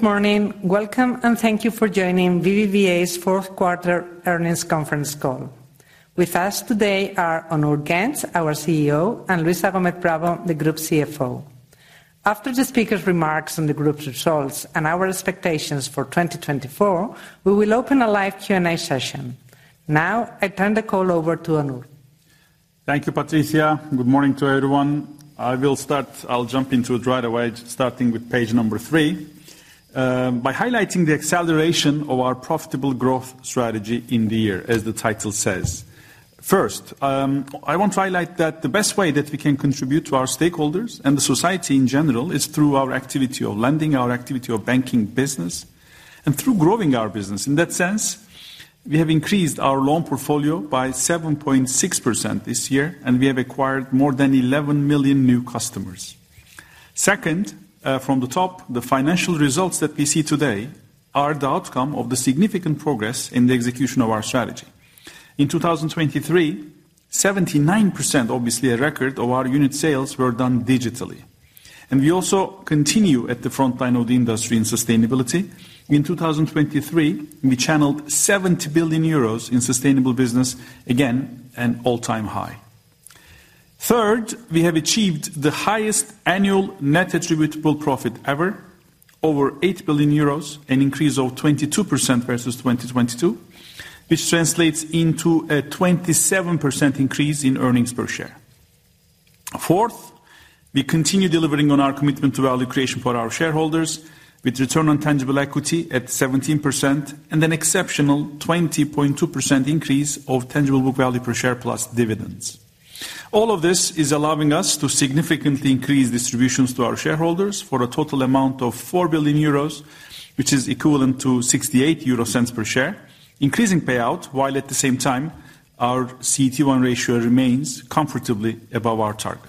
Good morning. Welcome, and thank you for joining BBVA's Q4 earnings conference call. With us today are Onur Genç, our CEO, and Luisa Gómez Bravo, the group's CFO. After the speakers' remarks on the group's results and our expectations for 2024, we will open a live Q&A session. Now, I turn the call over to Onur. Thank you, Patricia. Good morning to everyone. I will start... I'll jump into it right away, starting with page number three, by highlighting the acceleration of our profitable growth strategy in the year, as the title says. First, I want to highlight that the best way that we can contribute to our stakeholders and the society in general is through our activity of lending, our activity of banking business, and through growing our business. In that sense, we have increased our loan portfolio by 7.6% this year, and we have acquired more than 11 million new customers. Second, from the top, the financial results that we see today are the outcome of the significant progress in the execution of our strategy. In 2023, 79%, obviously a record, of our unit sales were done digitally, and we also continue at the frontline of the industry in sustainability. In 2023, we channeled 70 billion euros in sustainable business, again, an all-time high. Third, we have achieved the highest annual net attributable profit ever, over 8 billion euros, an increase of 22% versus 2022, which translates into a 27% increase in earnings per share. Fourth, we continue delivering on our commitment to value creation for our shareholders, with return on tangible equity at 17% and an exceptional 20.2% increase of tangible book value per share, plus dividends. All of this is allowing us to significantly increase distributions to our shareholders for a total amount of 4 billion euros, which is equivalent to 0.68 per share, increasing payout, while at the same time, our CET1 ratio remains comfortably above our target.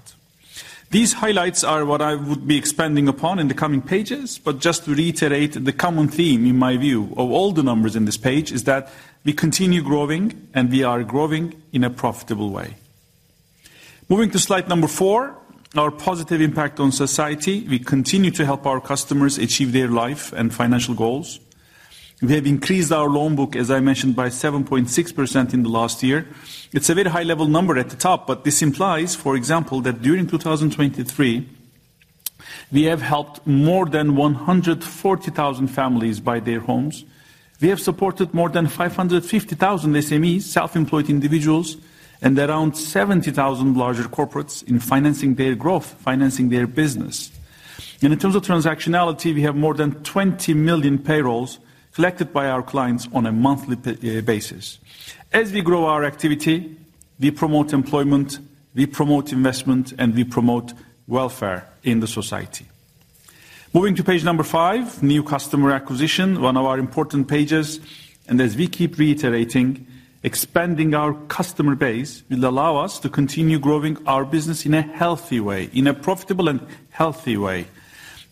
These highlights are what I would be expanding upon in the coming pages, but just to reiterate, the common theme, in my view, of all the numbers in this page, is that we continue growing, and we are growing in a profitable way. Moving to slide number four, our positive impact on society. We continue to help our customers achieve their life and financial goals. We have increased our loan book, as I mentioned, by 7.6% in the last year. It's a very high-level number at the top, but this implies, for example, that during 2023, we have helped more than 140,000 families buy their homes. We have supported more than 550,000 SMEs, self-employed individuals, and around 70,000 larger corporates in financing their growth, financing their business. And in terms of transactionality, we have more than 20 million payrolls collected by our clients on a monthly basis. As we grow our activity, we promote employment, we promote investment, and we promote welfare in the society. Moving to page number 5, new customer acquisition, one of our important pages. And as we keep reiterating, expanding our customer base will allow us to continue growing our business in a healthy way, in a profitable and healthy way.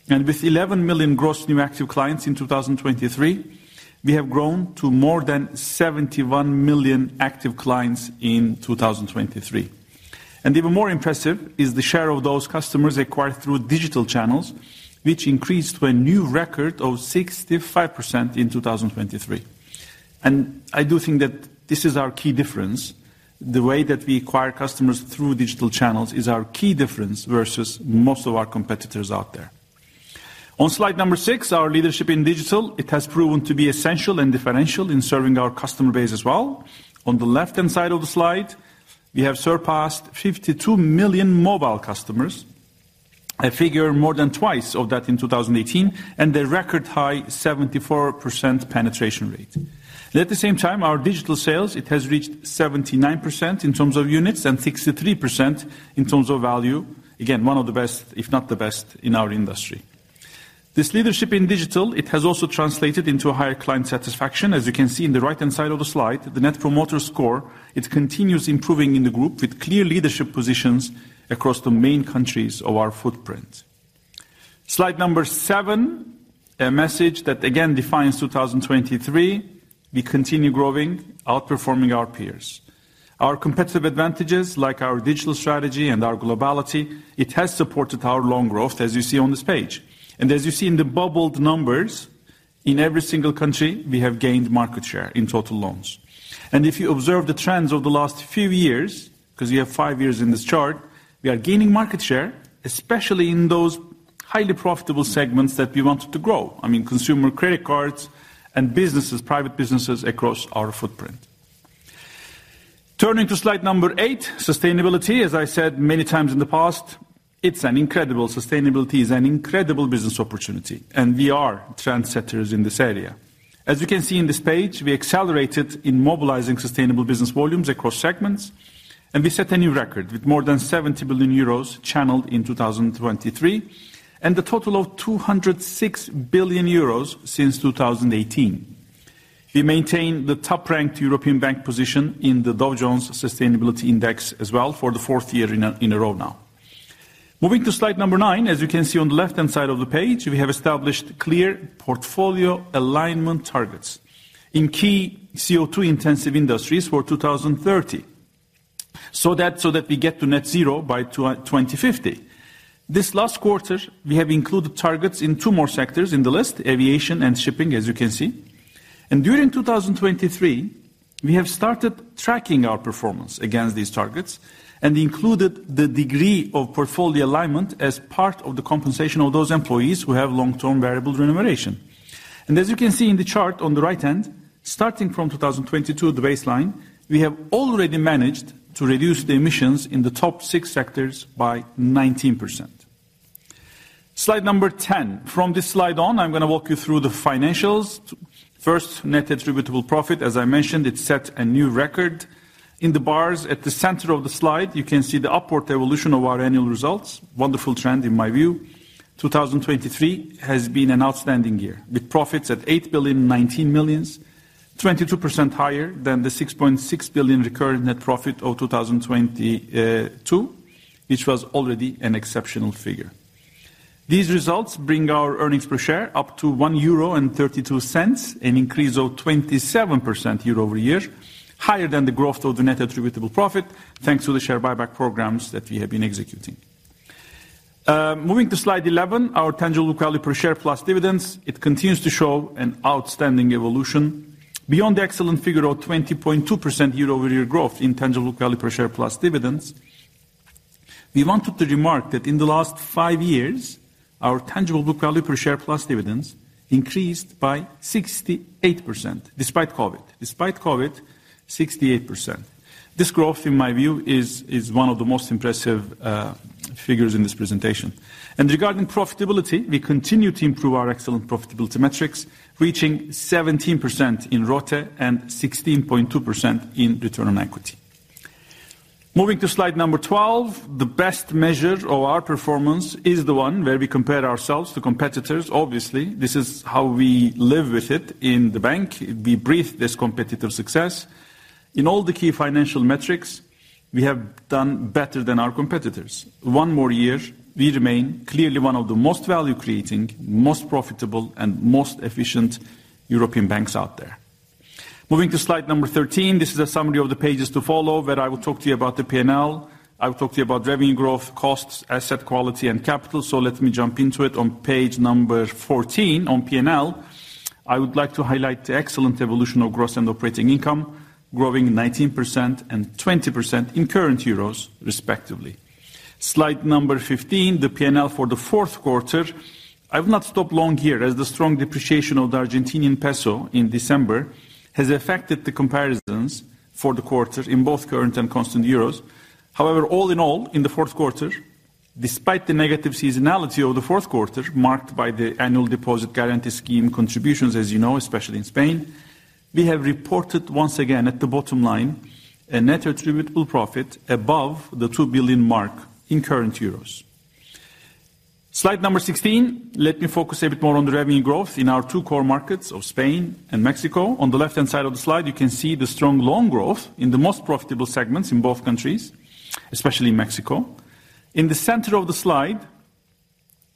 With 11 million gross new active clients in 2023, we have grown to more than 71 million active clients in 2023. Even more impressive is the share of those customers acquired through digital channels, which increased to a new record of 65% in 2023. I do think that this is our key difference. The way that we acquire customers through digital channels is our key difference versus most of our competitors out there. On slide number six, our leadership in digital, it has proven to be essential and differential in serving our customer base as well. On the left-hand side of the slide, we have surpassed 52 million mobile customers, a figure more than twice of that in 2018, and a record-high 74% penetration rate. At the same time, our digital sales, it has reached 79% in terms of units and 63% in terms of value. Again, one of the best, if not the best, in our industry. This leadership in digital, it has also translated into a higher client satisfaction. As you can see in the right-hand side of the slide, the Net Promoter Score, it continues improving in the group with clear leadership positions across the main countries of our footprint. Slide number seven, a message that again defines 2023: we continue growing, outperforming our peers. Our competitive advantages, like our digital strategy and our globality, it has supported our loan growth, as you see on this page. And as you see in the bubbled numbers, in every single country, we have gained market share in total loans. And if you observe the trends over the last few years, because you have five years in this chart, we are gaining market share, especially in those highly profitable segments that we wanted to grow. I mean, consumer credit cards and businesses, private businesses across our footprint. Turning to slide number eight, sustainability. As I said many times in the past, it's an incredible... Sustainability is an incredible business opportunity, and we are trendsetters in this area. As you can see in this page, we accelerated in mobilizing sustainable business volumes across segments, and we set a new record with more than 70 billion euros channeled in 2023, and a total of 206 billion euros since 2018. We maintain the top-ranked European bank position in the Dow Jones Sustainability Index as well for the fourth year in a row now. Moving to slide number 9, as you can see on the left-hand side of the page, we have established clear portfolio alignment targets in key CO2-intensive industries for 2030.... so that, so that we get to net zero by 2050. This last quarter, we have included targets in two more sectors in the list, aviation and shipping, as you can see. During 2023, we have started tracking our performance against these targets and included the degree of portfolio alignment as part of the compensation of those employees who have long-term variable remuneration. As you can see in the chart on the right hand, starting from 2022, the baseline, we have already managed to reduce the emissions in the top six sectors by 19%. Slide 10. From this slide on, I'm going to walk you through the financials. First, net attributable profit, as I mentioned, it set a new record. In the bars at the center of the slide, you can see the upward evolution of our annual results. Wonderful trend in my view. 2023 has been an outstanding year, with profits at 8 billion 19 million, 22% higher than the 6.6 billion recurrent net profit of 2022, which was already an exceptional figure. These results bring our earnings per share up to 1.32 euro, an increase of 27% year-over-year, higher than the growth of the net attributable profit, thanks to the share buyback programs that we have been executing. Moving to slide 11, our tangible book value per share plus dividends. It continues to show an outstanding evolution. Beyond the excellent figure of 20.2% year-over-year growth in tangible book value per share plus dividends, we wanted to remark that in the last five years, our tangible book value per share plus dividends increased by 68%, despite COVID. Despite COVID, 68%. This growth, in my view, is, is one of the most impressive, figures in this presentation. Regarding profitability, we continue to improve our excellent profitability metrics, reaching 17% in ROTE and 16.2% in return on equity. Moving to slide 12, the best measure of our performance is the one where we compare ourselves to competitors obviously, this is how we live with it in the bank. We breathe this competitive success. In all the key financial metrics, we have done better than our competitors. One more year, we remain clearly one of the most value-creating, most profitable, and most efficient European banks out there. Moving to slide 13, this is a summary of the pages to follow, where I will talk to you about the P&L. I will talk to you about revenue growth, costs, asset quality, and capital. Let me jump into it on page 14. On P&L, I would like to highlight the excellent evolution of gross and operating income, growing 19% and 20% in current EUR, respectively. Slide number 15, the P&L for Q4. I will not stop long here, as the strong depreciation of the Argentinean peso in December has affected the comparisons for the quarter in both current and constant EUR. However, all in all, in Q4, despite the negative seasonality of Q4, marked by the annual Deposit Guarantee Scheme contributions, as you know, especially in Spain, we have reported once again, at the bottom line, a net attributable profit above the 2 billion mark in current EUR. Slide number 16, let me focus a bit more on the revenue growth in our two core markets of Spain and Mexico. On the left-hand side of the slide, you can see the strong loan growth in the most profitable segments in both countries, especially in Mexico. In the center of the slide,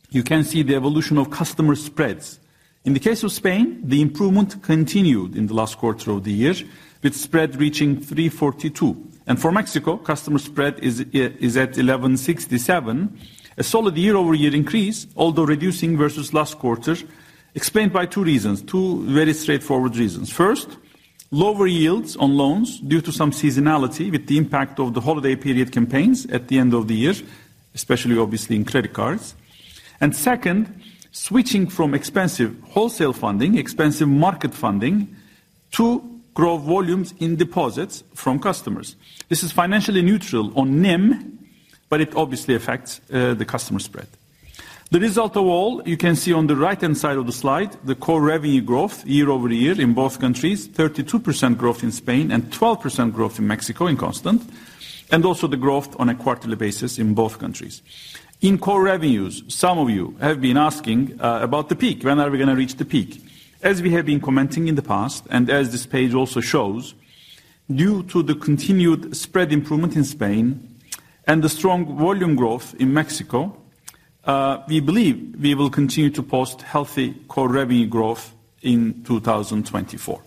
you can see the evolution of customer spreads. In the case of Spain, the improvement continued in the last quarter of the year, with spread reaching 342. For Mexico, customer spread is at 1,167, a solid year-over-year increase, although reducing versus last quarter, explained by two reasons, two very straightforward reasons. First, lower yields on loans due to some seasonality with the impact of the holiday period campaigns at the end of the year, especially obviously in credit cards. And second, switching from expensive wholesale funding, expensive market funding, to grow volumes in deposits from customers. This is financially neutral on NIM, but it obviously affects the customer spread. The result of all, you can see on the right-hand side of the slide, the core revenue growth year over year in both countries, 32% growth in Spain and 12% growth in Mexico in constant, and also the growth on a quarterly basis in both countries. In core revenues, some of you have been asking, about the peak. When are we going to reach the peak? As we have been commenting in the past, and as this page also shows, due to the continued spread improvement in Spain and the strong volume growth in Mexico, we believe we will continue to post healthy core revenue growth in 2024.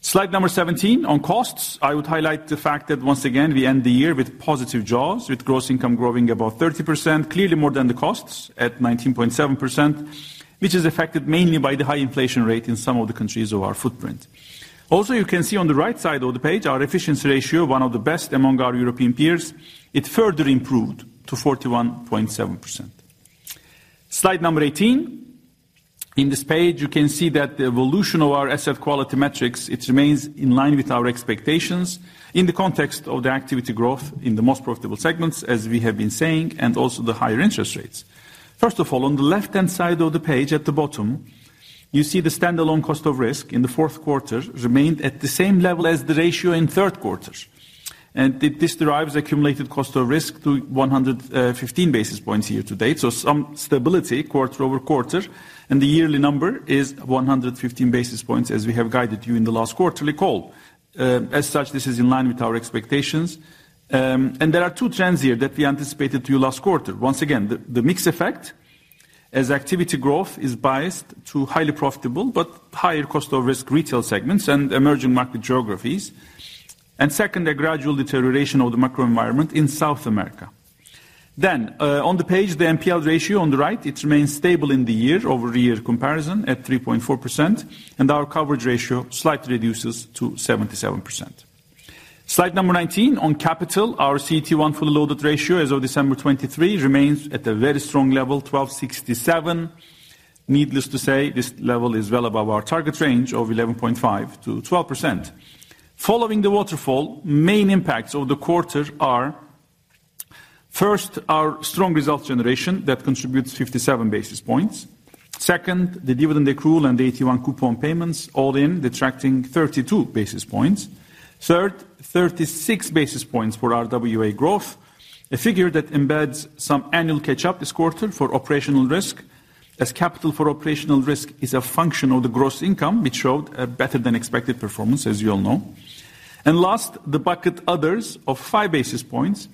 Slide number 17, on costs. I would highlight the fact that once again, we end the year with positive JOS, with gross income growing above 30%, clearly more than the costs at 19.7%, which is affected mainly by the high inflation rate in some of the countries of our footprint. Also, you can see on the right side of the page, our efficiency ratio, one of the best among our European peers. It further improved to 41.7%. Slide number 18. In this page, you can see that the evolution of our asset quality metrics. It remains in line with our expectations in the context of the activity growth in the most profitable segments, as we have been saying, and also the higher interest rates. First of all, on the left-hand side of the page at the bottom, you see the standalone cost of risk in Q4 remained at the same level as the ratio in Q3. This derives accumulated cost of risk to 115 basis points year to date. Some stability quarter-over-quarter, and the yearly number is 115 basis points, as we have guided you in the last quarterly call. As such, this is in line with our expectations. And there are two trends here that we anticipated to you last quarter. Once again, the mix effect as activity growth is biased to highly profitable but higher cost of risk retail segments and emerging market geographies. And second, a gradual deterioration of the macro environment in South America. Then, on the page, the NPL ratio on the right, it remains stable in the year-over-year comparison at 3.4%, and our coverage ratio slightly reduces to 77%. Slide 19 on capital. Our CET1 fully loaded ratio as of December 2023 remains at a very strong level, 12.67. Needless to say, this level is well above our target range of 11.5%-12%. Following the waterfall, main impacts of the quarter are: first, our strong results generation that contributes 57 basis points. Second, the dividend accrual and the AT1 coupon payments, all in detracting 32 basis points. Third, 36 basis points for our RWA growth, a figure that embeds some annual catch-up this quarter for operational risk, as capital for operational risk is a function of the gross income, which showed a better-than-expected performance, as you all know. And last, the bucket others of 5 basis points,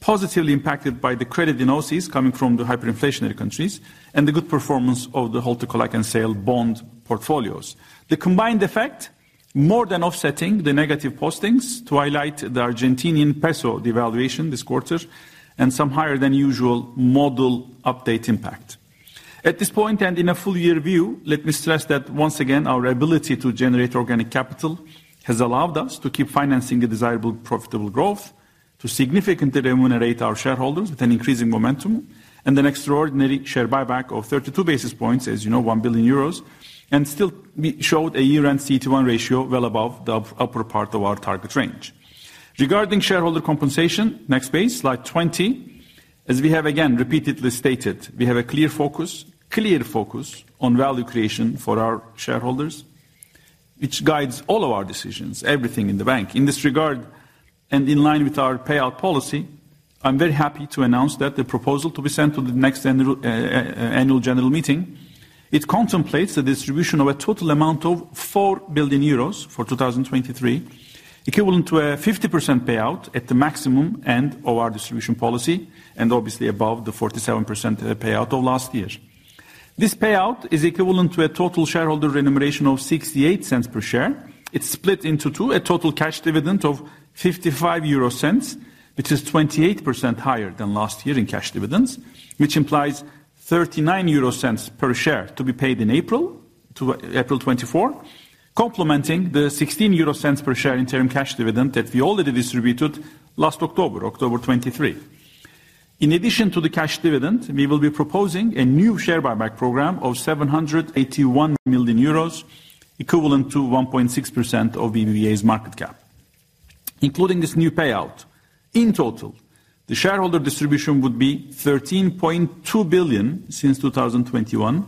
positively impacted by the credit diagnoses coming from the hyperinflationary countries and the good performance of the hold-to-collect and sale bond portfolios. The combined effect, more than offsetting the negative postings, to highlight the Argentinean peso devaluation this quarter and some higher than usual model update impact. At this point, and in a full-year view, let me stress that once again, our ability to generate organic capital has allowed us to keep financing the desirable profitable growth, to significantly remunerate our shareholders with an increasing momentum and an extraordinary share buyback of 32 basis points, as you know, 1 billion euros, and still we showed a year-end CET1 ratio well above the upper part of our target range. Regarding shareholder compensation, next page, slide 20. As we have again repeatedly stated, we have a clear focus, clear focus on value creation for our shareholders, which guides all of our decisions, everything in the bank. In this regard, and in line with our payout policy, I'm very happy to announce that the proposal to be sent to the next annual general meeting, it contemplates the distribution of a total amount of 4 billion euros for 2023, equivalent to a 50% payout at the maximum end of our distribution policy, and obviously above the 47% payout of last year. This payout is equivalent to a total shareholder remuneration of 0.68 per share. It's split into two: a total cash dividend of 0.55, which is 28% higher than last year in cash dividends, which implies 0.39 per share to be paid in April 2024, complementing the 0.16 per share interim cash dividend that we already distributed last October 2023. In addition to the cash dividend, we will be proposing a new share buyback program of 781 million euros, equivalent to 1.6% of BBVA's market cap. Including this new payout, in total, the shareholder distribution would be 13.2 billion since 2021,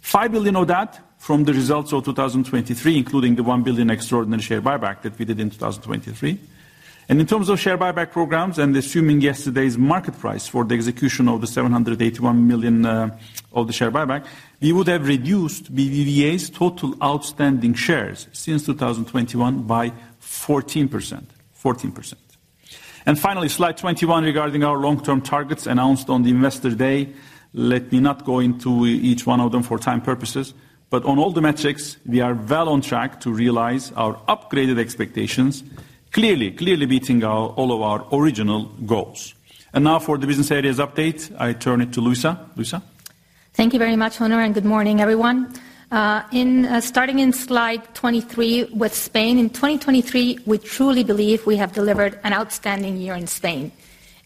5 billion of that from the results of 2023, including the 1 billion extraordinary share buyback that we did in 2023. In terms of share buyback programs and assuming yesterday's market price for the execution of 781 million of the share buyback, we would have reduced BBVA's total outstanding shares since 2021 by 14%. 14%. And finally, slide 21 regarding our long-term targets announced on the Investor Day. Let me not go into each one of them for time purposes, but on all the metrics, we are well on track to realize our upgraded expectations, clearly, clearly beating our, all of our original goals. And now for the business areas update, I turn it to Luisa. Luisa? Thank you very much, Onur, and good morning, everyone. Starting in slide 23, with Spain in 2023, we truly believe we have delivered an outstanding year in Spain.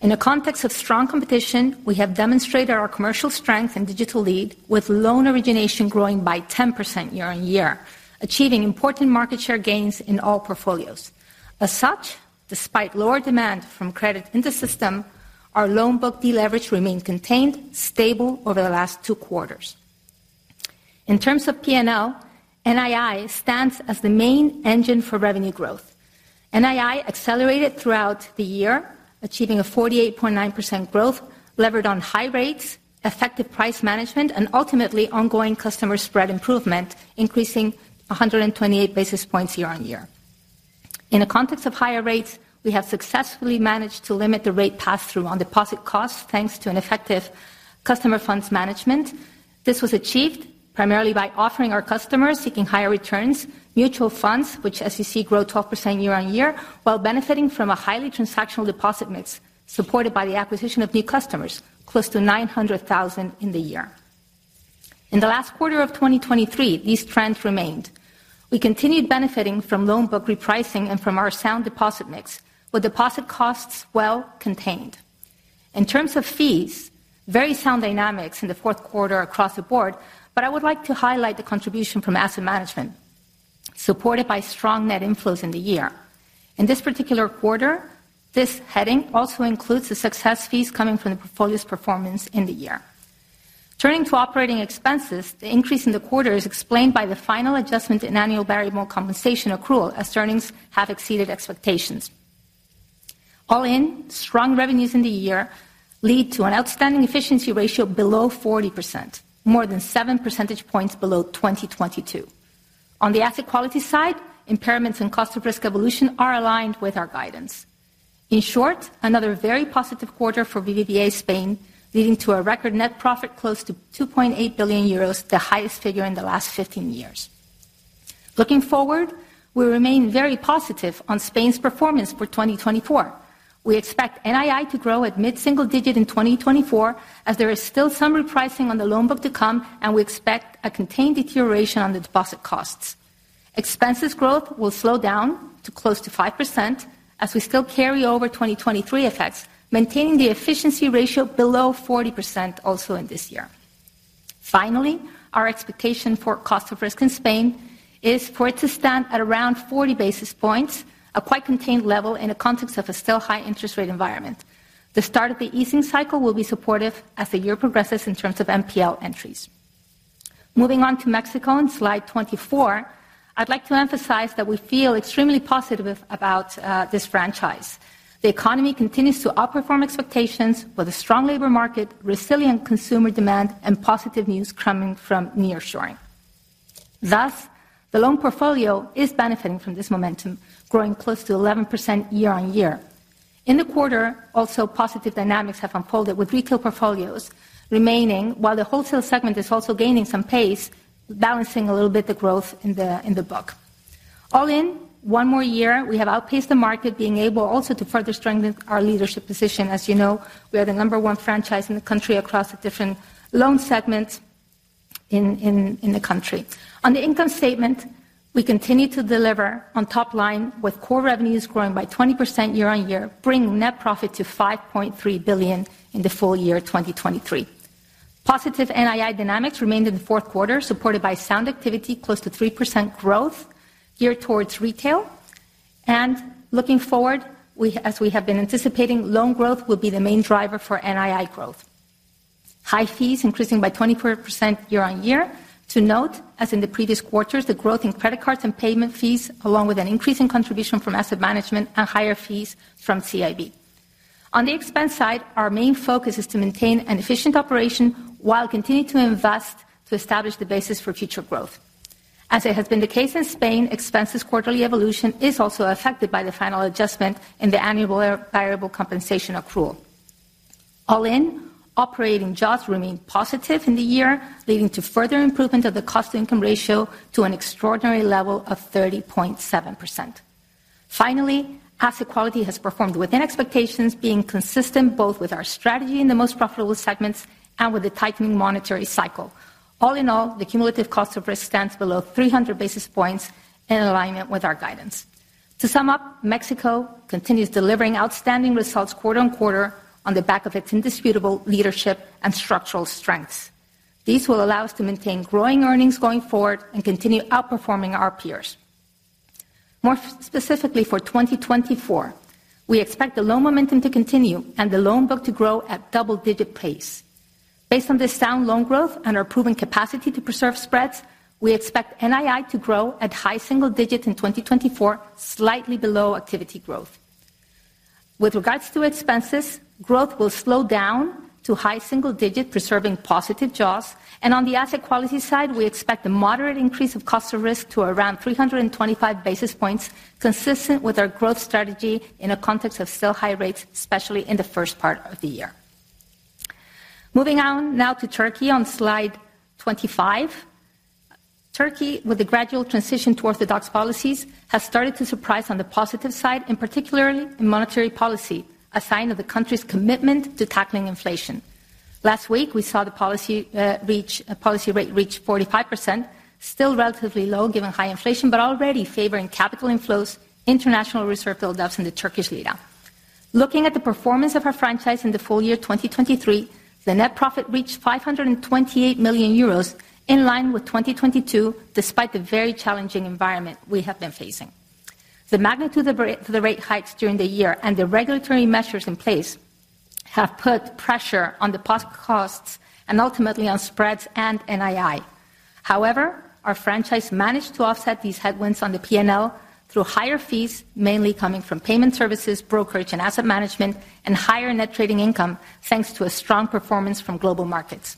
In a context of strong competition, we have demonstrated our commercial strength and digital lead, with loan origination growing by 10% year-on-year, achieving important market share gains in all portfolios. As such, despite lower demand from credit in the system, our loan book deleverage remained contained, stable over the last two quarters. In terms of P&L, NII stands as the main engine for revenue growth. NII accelerated throughout the year, achieving a 48.9% growth, levered on high rates, effective price management, and ultimately, ongoing customer spread improvement, increasing 128 basis points year-on-year. In the context of higher rates, we have successfully managed to limit the rate pass-through on deposit costs, thanks to an effective customer funds management. This was achieved primarily by offering our customers seeking higher returns, mutual funds, which, as you see, grow 12% year-on-year, while benefiting from a highly transactional deposit mix, supported by the acquisition of new customers, close to 900,000 in the year. In the last quarter of 2023, these trends remained. We continued benefiting from loan book repricing and from our sound deposit mix, with deposit costs well contained. In terms of fees, very sound dynamics in Q4 across the board, but I would like to highlight the contribution from asset management, supported by strong net inflows in the year. In this particular quarter, this heading also includes the success fees coming from the portfolio's performance in the year. Turning to operating expenses, the increase in the quarter is explained by the final adjustment in annual variable compensation accrual, as earnings have exceeded expectations. All in, strong revenues in the year lead to an outstanding efficiency ratio below 40%, more than seven percentage points below 2022. On the asset quality side, impairments and cost of risk evolution are aligned with our guidance. In short, another very positive quarter for BBVA Spain, leading to a record net profit close to 2.8 billion euros, the highest figure in the last 15 years. Looking forward, we remain very positive on Spain's performance for 2024. We expect NII to grow at mid-single digit in 2024, as there is still some repricing on the loan book to come, and we expect a contained deterioration on the deposit costs. Expenses growth will slow down to close to 5% as we still carry over 2023 effects, maintaining the efficiency ratio below 40% also in this year. Finally, our expectation for cost of risk in Spain is for it to stand at around 40 basis points, a quite contained level in the context of a still high interest rate environment. The start of the easing cycle will be supportive as the year progresses in terms of NPL entries. Moving on to Mexico on slide 24, I'd like to emphasize that we feel extremely positive about this franchise. The economy continues to outperform expectations with a strong labor market, resilient consumer demand, and positive news coming from nearshoring. Thus, the loan portfolio is benefiting from this momentum, growing close to 11% year-on-year. In the quarter, also positive dynamics have unfolded, with retail portfolios remaining, while the wholesale segment is also gaining some pace, balancing a little bit the growth in the book. All in, one more year, we have outpaced the market, being able also to further strengthen our leadership position. As you know, we are the number one franchise in the country across the different loan segments in the country. On the income statement, we continue to deliver on top line, with core revenues growing by 20% year-on-year, bringing net profit to 5.3 billion in the full year 2023. Positive NII dynamics remained in Q4, supported by sound activity, close to 3% growth geared towards retail. Looking forward, we, as we have been anticipating, loan growth will be the main driver for NII growth. High fees increasing by 24% year-on-year. To note, as in the previous quarters, the growth in credit cards and payment fees, along with an increase in contribution from asset management and higher fees from CIB. On the expense side, our main focus is to maintain an efficient operation while continuing to invest to establish the basis for future growth. As it has been the case in Spain, expenses quarterly evolution is also affected by the final adjustment in the annual variable compensation accrual. All in, operating JOS remained positive in the year, leading to further improvement of the cost-to-income ratio to an extraordinary level of 30.7%. Finally, asset quality has performed within expectations, being consistent both with our strategy in the most profitable segments and with the tightening monetary cycle. All in all, the cumulative cost of risk stands below 300 basis points in alignment with our guidance. To sum up, Mexico continues delivering outstanding results quarter-on-quarter on the back of its indisputable leadership and structural strengths. These will allow us to maintain growing earnings going forward and continue outperforming our peers. More specifically for 2024, we expect the loan momentum to continue and the loan book to grow at double-digit pace. Based on this sound loan growth and our proven capacity to preserve spreads, we expect NII to grow at high single digits in 2024, slightly below activity growth. With regards to expenses, growth will slow down to high single digit, preserving positive JOS. And on the asset quality side, we expect a moderate increase of cost of risk to around 325 basis points, consistent with our growth strategy in a context of still high rates, especially in the first part of the year. Moving on now to Turkey on slide 25. Turkey, with a gradual transition to orthodox policies, has started to surprise on the positive side, and particularly in monetary policy, a sign of the country's commitment to tackling inflation. Last week, we saw the policy rate reach 45%, still relatively low given high inflation, but already favoring capital inflows, international reserve buildups in the Turkish lira. Looking at the performance of our franchise in the full year 2023, the net profit reached 528 million euros, in line with 2022, despite the very challenging environment we have been facing. The magnitude of the rate hikes during the year and the regulatory measures in place have put pressure on the costs and ultimately on spreads and NII. However, our franchise managed to offset these headwinds on the P&L through higher fees, mainly coming from payment services, brokerage, and asset management, and higher net trading income, thanks to a strong performance from global markets.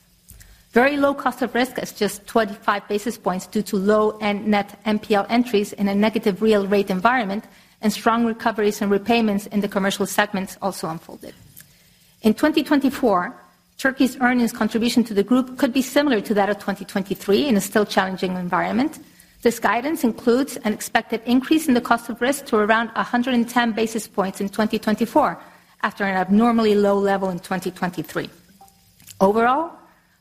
Very low Cost of Risk is just 25 basis points due to low and net NPL entries in a negative real rate environment, and strong recoveries and repayments in the commercial segments also unfolded. In 2024, Turkey's earnings contribution to the group could be similar to that of 2023 in a still challenging environment. This guidance includes an expected increase in the Cost of Risk to around 110 basis points in 2024, after an abnormally low level in 2023. Overall,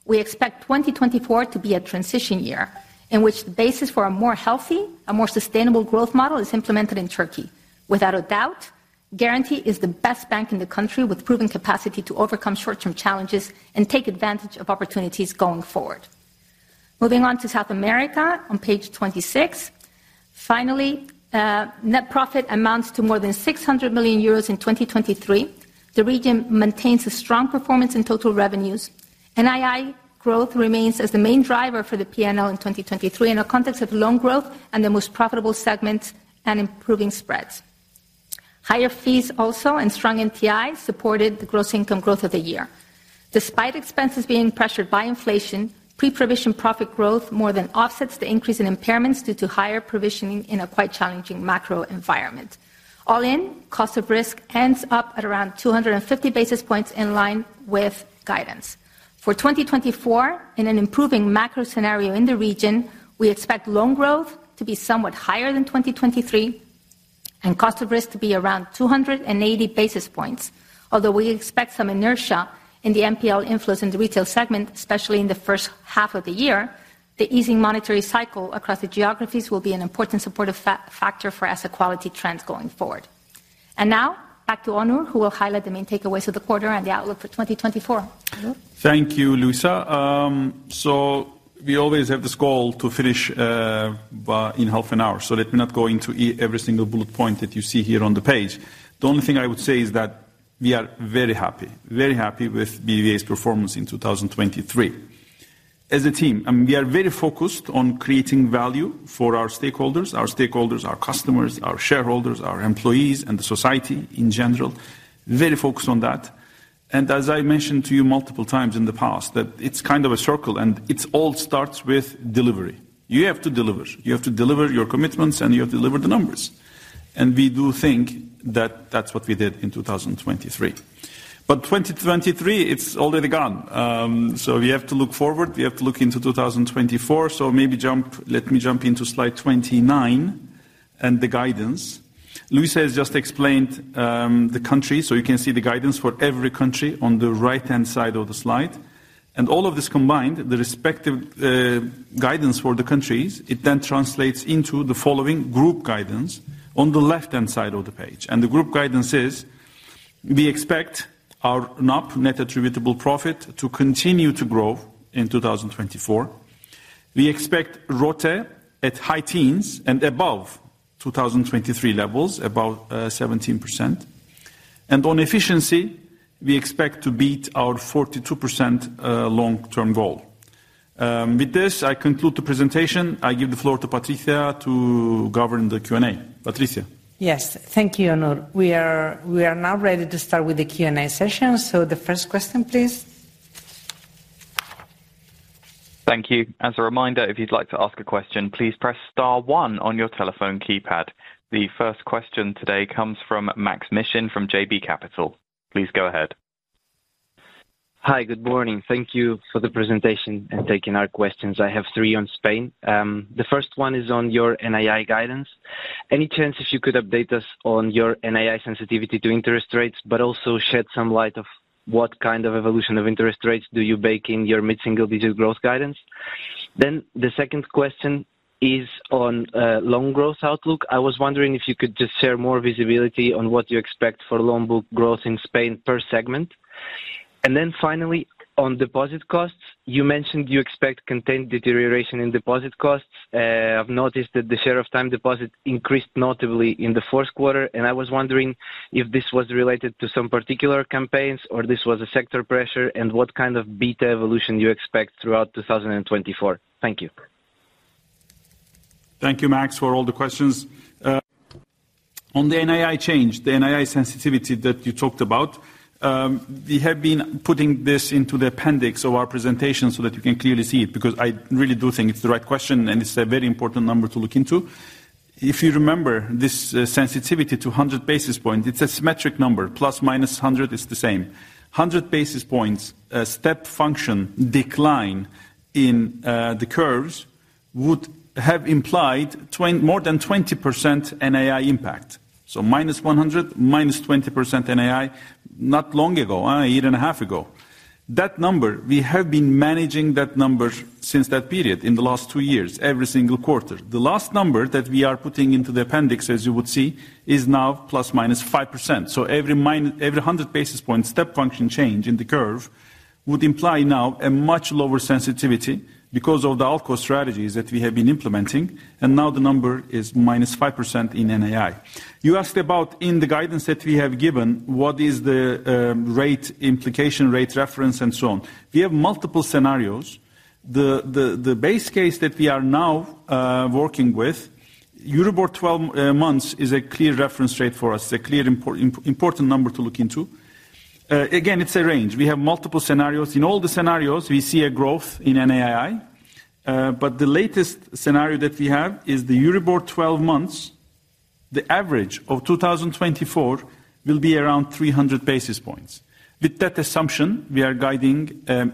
we expect 2024 to be a transition year in which the basis for a more healthy, a more sustainable growth model is implemented in Turkey. Without a doubt, Garanti is the best bank in the country with proven capacity to overcome short-term challenges and take advantage of opportunities going forward. Moving on to South America on page 26. Finally, net profit amounts to more than 600 million euros in 2023. The region maintains a strong performance in total revenues. NII growth remains as the main driver for the P&L in 2023, in a context of loan growth and the most profitable segments and improving spreads. Higher fees also and strong NPI supported the gross income growth of the year. Despite expenses being pressured by inflation, pre-provision profit growth more than offsets the increase in impairments due to higher provisioning in a quite challenging macro environment. All in, cost of risk ends up at around 250 basis points in line with guidance. For 2024, in an improving macro scenario in the region, we expect loan growth to be somewhat higher than 2023, and cost of risk to be around 280 basis points. Although we expect some inertia in the NPL inflows in the retail segment, especially in the first half of the year, the easing monetary cycle across the geographies will be an important supportive factor for asset quality trends going forward. And now, back to Onur, who will highlight the main takeaways of the quarter and the outlook for 2024. Onur? Thank you, Luisa. So we always have this goal to finish in half an hour, so let me not go into every single bullet point that you see here on the page. The only thing I would say is that we are very happy, very happy with BBVA's performance in 2023. As a team, we are very focused on creating value for our stakeholders, our stakeholders, our customers, our shareholders, our employees, and the society in general. Very focused on that. As I mentioned to you multiple times in the past, that it's kind of a circle, and it's all starts with delivery. You have to deliver. You have to deliver your commitments, and you have to deliver the numbers. We do think that that's what we did in 2023. But 2023, it's already gone. So we have to look forward, we have to look into 2024. So maybe jump... Let me jump into slide 29 and the guidance. Luisa has just explained the country, so you can see the guidance for every country on the right-hand side of the slide. And all of this combined, the respective guidance for the countries, it then translates into the following group guidance on the left-hand side of the page. And the group guidance is: we expect our NOP, net attributable profit, to continue to grow in 2024. We expect ROTE at high teens and above 2023 levels, above 17%. And on efficiency, we expect to beat our 42% long-term goal. With this, I conclude the presentation. I give the floor to Patricia to govern the Q&A. Patricia? Yes. Thank you, Onur. We are now ready to start with the Q&A session. The first question, please. Thank you. As a reminder, if you'd like to ask a question, please press star one on your telephone keypad. The first question today comes from Maksym Mishyn from JB Capital. Please go ahead. Hi, good morning. Thank you for the presentation and taking our questions. I have three on Spain. The first one is on your NII guidance. Any chance if you could update us on your NII sensitivity to interest rates, but also shed some light of what kind of evolution of interest rates do you bake in your mid-single-digit growth guidance? Then the second question is on loan growth outlook. I was wondering if you could just share more visibility on what you expect for loan book growth in Spain per segment. And then finally, on deposit costs, you mentioned you expect contained deterioration in deposit costs. I've noticed that the share of time deposits increased notably in Q4, and I was wondering if this was related to some particular campaigns or this was a sector pressure, and what kind of beta evolution you expect throughout 2024? Thank you. Thank you, Max, for all the questions. On the NII change, the NII sensitivity that you talked about, we have been putting this into the appendix of our presentation so that you can clearly see it, because I really do think it's the right question, and it's a very important number to look into. If you remember this, sensitivity to 100 basis points, it's a symmetric number, ±100 is the same. 100 basis points, step function decline in the curves would have implied more than 20% NII impact. So minus 100, minus 20% NII, not long ago, a year and a half ago. That number, we have been managing that number since that period, in the last two years, every single quarter. The last number that we are putting into the appendix, as you would see, is now ±5%. So every 100 basis point step function change in the curve would imply now a much lower sensitivity because of the ALCO strategies that we have been implementing, and now the number is -5% in NII. You asked about in the guidance that we have given, what is the rate implication rate reference, and so on. We have multiple scenarios. The base case that we are now working with, Euribor 12-month is a clear reference rate for us, a clear important number to look into. Again, it's a range. We have multiple scenarios. In all the scenarios, we see a growth in NII, but the latest scenario that we have is the Euribor 12 months, the average of 2024 will be around 300 basis points. With that assumption, we are guiding a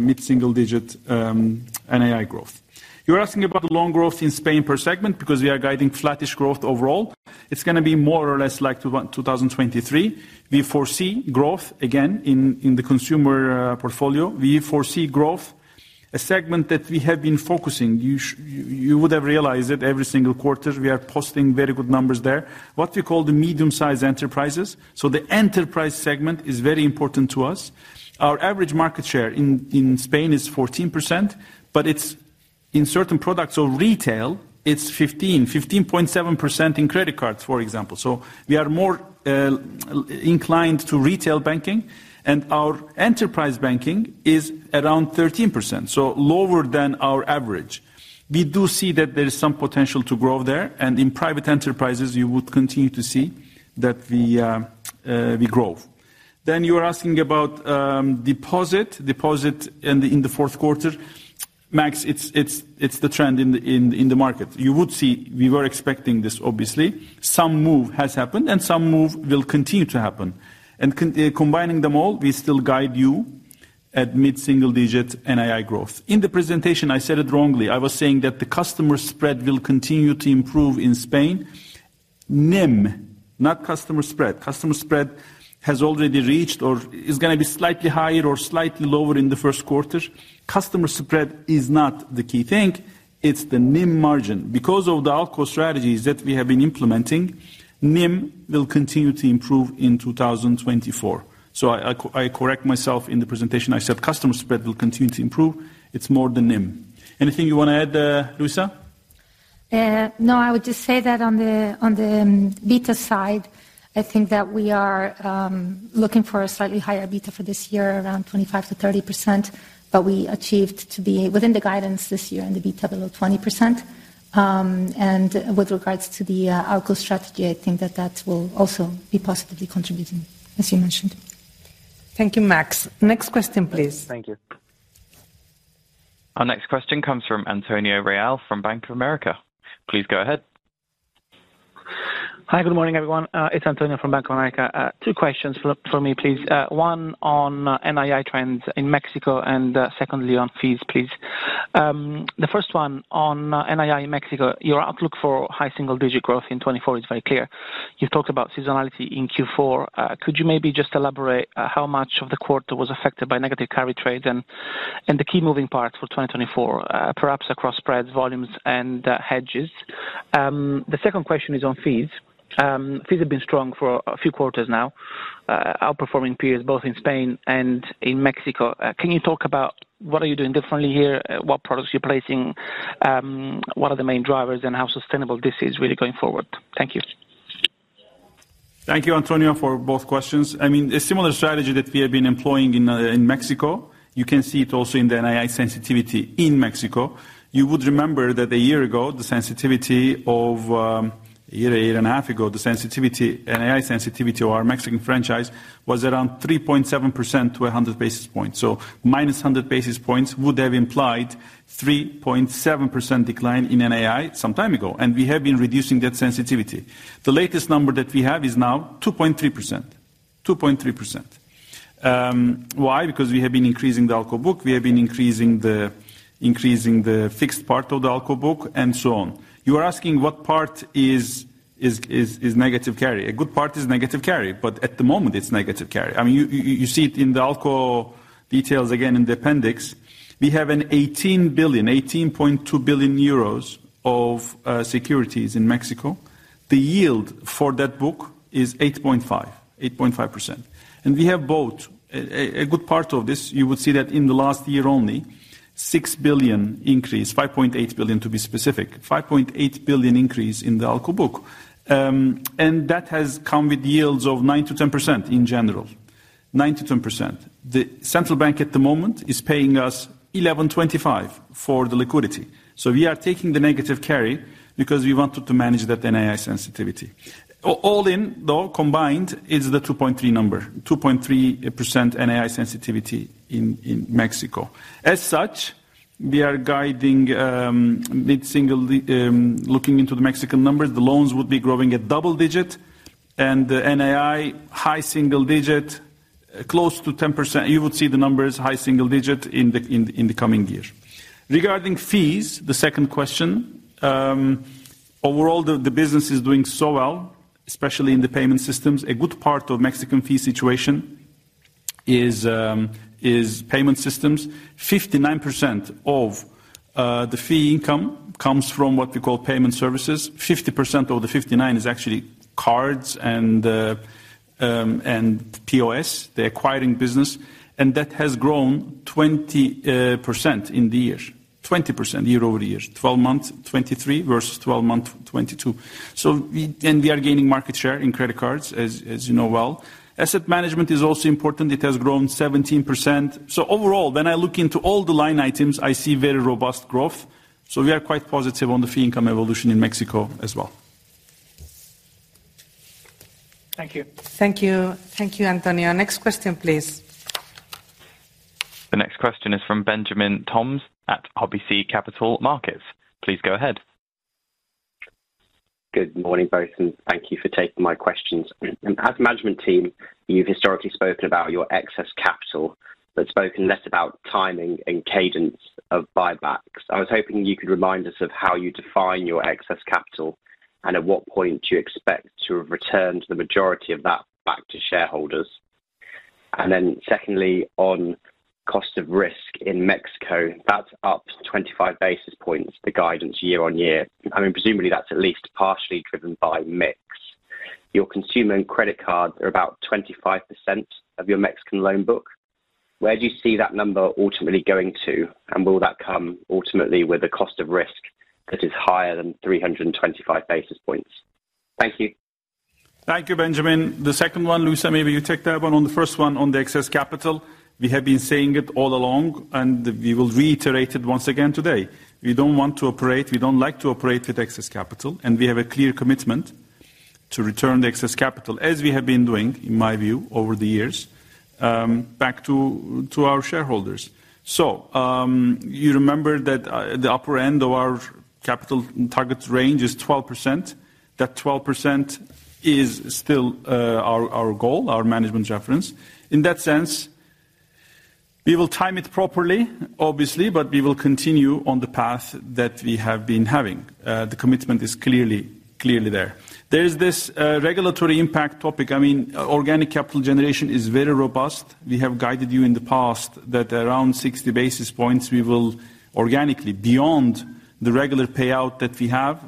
mid-single-digit NII growth. You're asking about the loan growth in Spain per segment because we are guiding flattish growth overall. It's gonna be more or less like 2023. We foresee growth, again, in the consumer portfolio. We foresee growth, a segment that we have been focusing. You would have realized it every single quarter, we are posting very good numbers there. What we call the medium-sized enterprises. So the enterprise segment is very important to us. Our average market share in Spain is 14%, but it's in certain products of retail, it's 15, 15.7% in credit cards, for example. So we are more inclined to retail banking, and our enterprise banking is around 13%, so lower than our average. We do see that there is some potential to grow there, and in private enterprises, you would continue to see that we grow. Then you were asking about deposit. Deposit in Q4, Max, it's the trend in the market. You would see we were expecting this, obviously. Some move has happened and some move will continue to happen. And combining them all, we still guide you at mid-single digit NII growth. In the presentation, I said it wrongly. I was saying that the customer spread will continue to improve in Spain. NIM, not customer spread. Customer spread has already reached or is gonna be slightly higher or slightly lower in Q1. Customer spread is not the key thing, it's the NIM margin. Because of the ALCO strategies that we have been implementing, NIM will continue to improve in 2024. So I correct myself in the presentation, I said customer spread will continue to improve. It's more the NIM. Anything you wanna add, Luisa? No, I would just say that on the, on the beta side, I think that we are looking for a slightly higher beta for this year, around 25%-30%, but we achieved to be within the guidance this year, and the beta below 20%. And with regards to the ALCO strategy, I think that that will also be positively contributing, as you mentioned. Thank you, Maksym. Next question, please. Thank you. Our next question comes from Antonio Reale from Bank of America. Please go ahead. Hi, good morning, everyone. It's Antonio from Bank of America. Two questions from me, please. One on NII trends in Mexico and secondly on fees, please. The first one on NII in Mexico, your outlook for high single-digit growth in 2024 is very clear. You've talked about seasonality in Q4. Could you maybe just elaborate how much of the quarter was affected by negative carry trade and the key moving parts for 2024, perhaps across spreads, volumes, and hedges? The second question is on fees. Fees have been strong for a few quarters now, outperforming periods both in Spain and in Mexico. Can you talk about what are you doing differently here, what products you're placing, what are the main drivers, and how sustainable this is really going forward? Thank you. Thank you, Antonio, for both questions. I mean, a similar strategy that we have been employing in Mexico, you can see it also in the NII sensitivity in Mexico. You would remember that a year ago, the sensitivity of, a year, a year and a half ago, the sensitivity, NII sensitivity of our Mexican franchise was around 3.7% to 100 basis points. So -100 basis points would have implied 3.7% decline in NII some time ago, and we have been reducing that sensitivity. The latest number that we have is now 2.3%, 2.3%. Why? Because we have been increasing the ALCO book, we have been increasing the fixed part of the ALCO book, and so on. You are asking what part is negative carry. A good part is negative carry, but at the moment, it's negative carry. I mean, you see it in the ALCO details again in the appendix. We have 18 billion, 18.2 billion euros of securities in Mexico. The yield for that book is 8.5, 8.5%. And we have both. A good part of this, you would see that in the last year only, 6 billion increase, 5.8 billion to be specific, 5.8 billion increase in the ALCO book. And that has come with yields of 9%-10% in general, 9%-10%. The central bank at the moment is paying us 11.25% for the liquidity. So we are taking the negative carry because we wanted to manage that NII sensitivity. All in, though, combined, is the 2.3 number, 2.3% NII sensitivity in Mexico. As such, we are guiding, mid-single digit, looking into the Mexican numbers, the loans would be growing at double-digit, and the NII, high single-digit, close to 10%. You would see the numbers high single-digit in the coming year. Regarding fees, the second question, overall, the business is doing so well, especially in the payment systems. A good part of Mexican fee situation is payment systems. 59% of the fee income comes from what we call payment services. 50% of the 59 is actually cards and POS, the acquiring business, and that has grown 20% in the year, 20% year-over-year, 12 months, 2023 versus 12 months, 2022. So we are gaining market share in credit cards, as you know well. Asset management is also important. It has grown 17%. So overall, when I look into all the line items, I see very robust growth. So we are quite positive on the fee income evolution in Mexico as well. Thank you. Thank you. Thank you, Antonio. Next question, please. The next question is from Benjamin Toms at RBC Capital Markets. Please go ahead. Good morning, Genç, and thank you for taking my questions. As a management team, you've historically spoken about your excess capital, but spoken less about timing and cadence of buybacks. I was hoping you could remind us of how you define your excess capital, and at what point do you expect to have returned the majority of that back to shareholders? And then secondly, on cost of risk in Mexico, that's up 25 basis points, the guidance year-over-year. I mean, presumably, that's at least partially driven by mix. Your consumer and credit cards are about 25% of your Mexican loan book. Where do you see that number ultimately going to, and will that come ultimately with a cost of risk that is higher than 325 basis points? Thank you. Thank you, Benjamin. The second one, Luisa, maybe you take that one. On the first one, on the excess capital, we have been saying it all along, and we will reiterate it once again today: We don't want to operate, we don't like to operate with excess capital, and we have a clear commitment to return the excess capital, as we have been doing, in my view, over the years, back to our shareholders. So, you remember that, the upper end of our capital target range is 12%. That 12% is still, our goal, our management reference. In that sense, we will time it properly, obviously, but we will continue on the path that we have been having. The commitment is clearly, clearly there. There is this, regulatory impact topic. I mean, organic capital generation is very robust. We have guided you in the past that around 60 basis points, we will organically, beyond the regular payout that we have,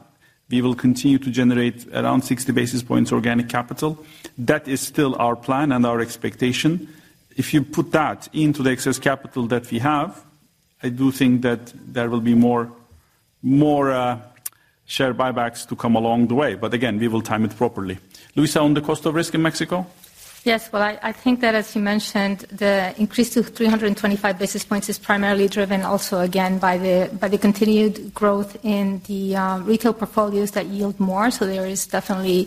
we will continue to generate around 60 basis points organic capital. That is still our plan and our expectation. If you put that into the excess capital that we have, I do think that there will be more, more, share buybacks to come along the way, but again, we will time it properly. Luisa, on the cost of risk in Mexico? Yes. Well, I think that, as you mentioned, the increase to 325 basis points is primarily driven also again by the continued growth in the retail portfolios that yield more. So there is definitely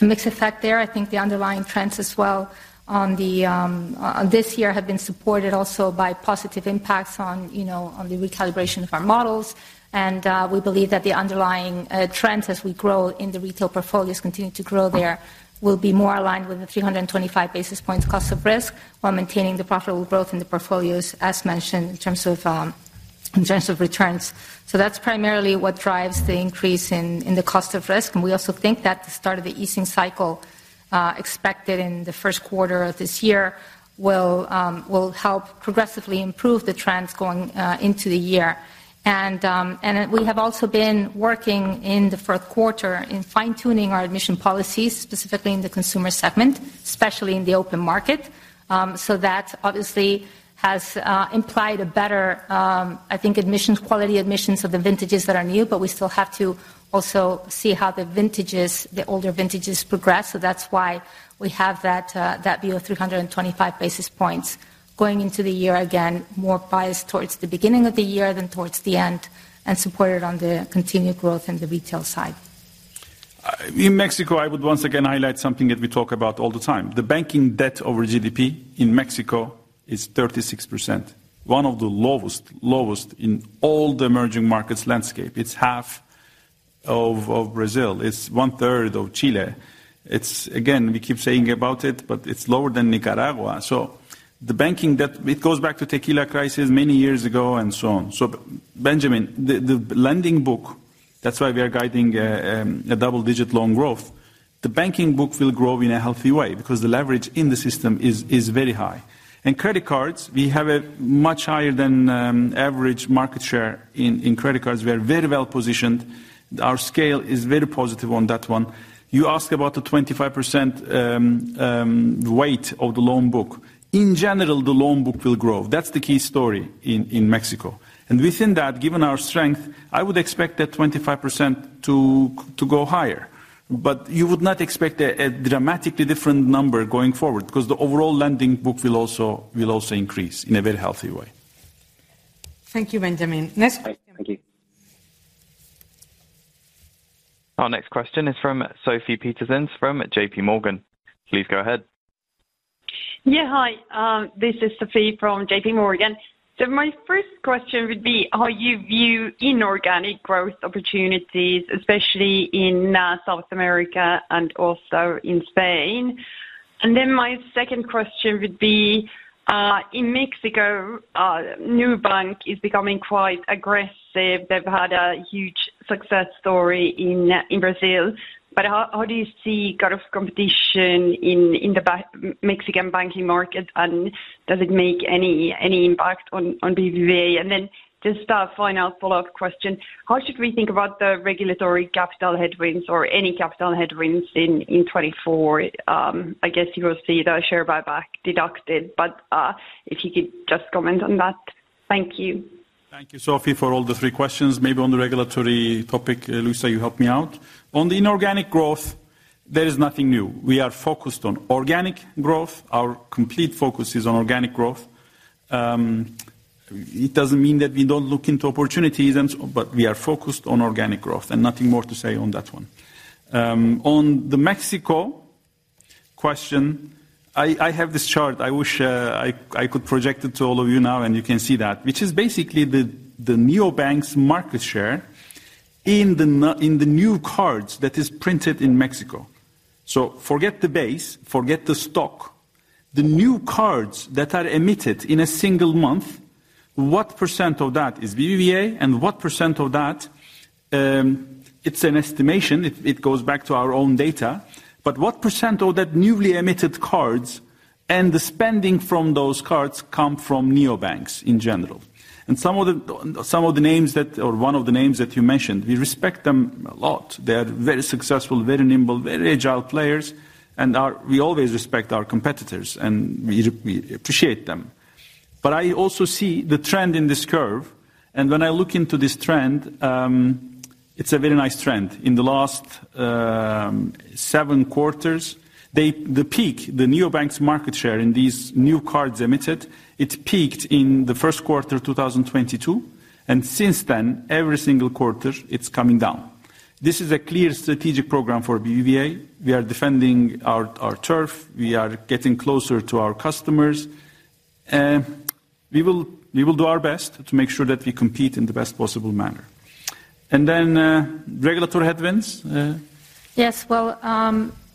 a mixed effect there. I think the underlying trends as well on this year have been supported also by positive impacts on, you know, the recalibration of our models. We believe that the underlying trends as we grow in the retail portfolios, continue to grow there, will be more aligned with the 325 basis points cost of risk, while maintaining the profitable growth in the portfolios, as mentioned, in terms of returns. So that's primarily what drives the increase in the cost of risk. We also think that the start of the easing cycle expected in Q1 of this year will help progressively improve the trends going into the year. We have also been working in Q4 in fine-tuning our admission policies, specifically in the consumer segment, especially in the open market. So that obviously has implied a better, I think, admissions, quality admissions of the vintages that are new. But we still have to also see how the vintages, the older vintages progress, so that's why we have that view of 325 basis points. Going into the year, again, more biased towards the beginning of the year than towards the end, and supported on the continued growth in the retail side. In Mexico, I would once again highlight something that we talk about all the time. The banking debt over GDP in Mexico is 36%, one of the lowest, lowest in all the emerging markets landscape. It's half of Brazil, it's 1/3 of Chile. It's. Again, we keep saying about it, but it's lower than Nicaragua. So the banking debt, it goes back to Tequila Crisis many years ago, and so on. So, Benjamin, the lending book, that's why we are guiding a double-digit loan growth. The banking book will grow in a healthy way because the leverage in the system is very high. In credit cards, we have a much higher than average market share in credit cards. We are very well positioned. Our scale is very positive on that one. You ask about the 25%, weight of the loan book. In general, the loan book will grow. That's the key story in Mexico. And within that, given our strength, I would expect that 25% to go higher. But you would not expect a dramatically different number going forward, 'cause the overall lending book will also increase in a very healthy way. Thank you, Benjamin. Next- Thank you. Our next question is from Sofie Peterzens, from JPMorgan. Please go ahead. Yeah, hi, this is Sofie from JPMorgan. So my first question would be: how you view inorganic growth opportunities, especially in South America and also in Spain? And then my second question would be, in Mexico, Nubank is becoming quite aggressive. They've had a huge success story in Brazil. But how do you see kind of competition in the Mexican banking market, and does it make any impact on BBVA? And then just a final follow-up question, how should we think about the regulatory capital headwinds or any capital headwinds in 2024? I guess you will see the share buyback deducted, but if you could just comment on that. Thank you. Thank you, Sofie, for all the three questions. Maybe on the regulatory topic, Luisa, you help me out. On the inorganic growth, there is nothing new. We are focused on organic growth. Our complete focus is on organic growth. It doesn't mean that we don't look into opportunities and so, but we are focused on organic growth, and nothing more to say on that one. On the Mexico question, I have this chart. I wish I could project it to all of you now, and you can see that, which is basically the neobanks market share in the new cards that is printed in Mexico. So forget the base, forget the stock. The new cards that are emitted in a single month, what percent of that is BBVA, and what percent of that. It's an estimation. It goes back to our own data, but what percent of that newly emitted cards and the spending from those cards come from neobanks in general? And some of the names that you mentioned, or one of the names that you mentioned, we respect them a lot. They are very successful, very nimble, very agile players, and we always respect our competitors, and we appreciate them. But I also see the trend in this curve, and when I look into this trend, it's a very nice trend. In the last seven quarters, they, the peak, the neobanks market share in these new cards emitted, it peaked in Q1 of 2022, and since then, every single quarter, it's coming down. This is a clear strategic program for BBVA. We are defending our turf. We are getting closer to our customers. We will, we will do our best to make sure that we compete in the best possible manner. And then, regulatory headwinds? Yes. Well,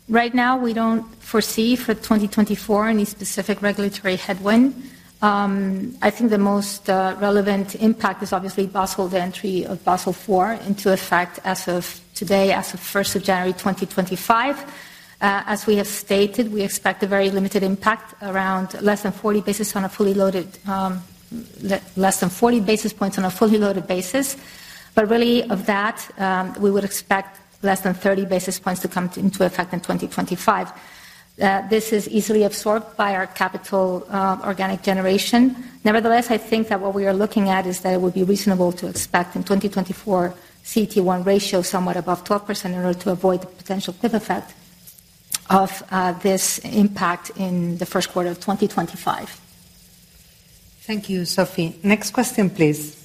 right now, we don't foresee for 2024 any specific regulatory headwind. I think the most relevant impact is obviously Basel, the entry of Basel IV into effect as of today, as of January 1, 2025. As we have stated, we expect a very limited impact, around less than 40 basis points on a fully loaded basis. But really, of that, we would expect less than 30 basis points to come into effect in 2025. This is easily absorbed by our capital, organic generation. Nevertheless, I think that what we are looking at is that it would be reasonable to expect in 2024, CET1 ratio somewhat above 12% in order to avoid the potential cliff effect of this impact in Q1 of 2025. Thank you, Sofie. Next question, please.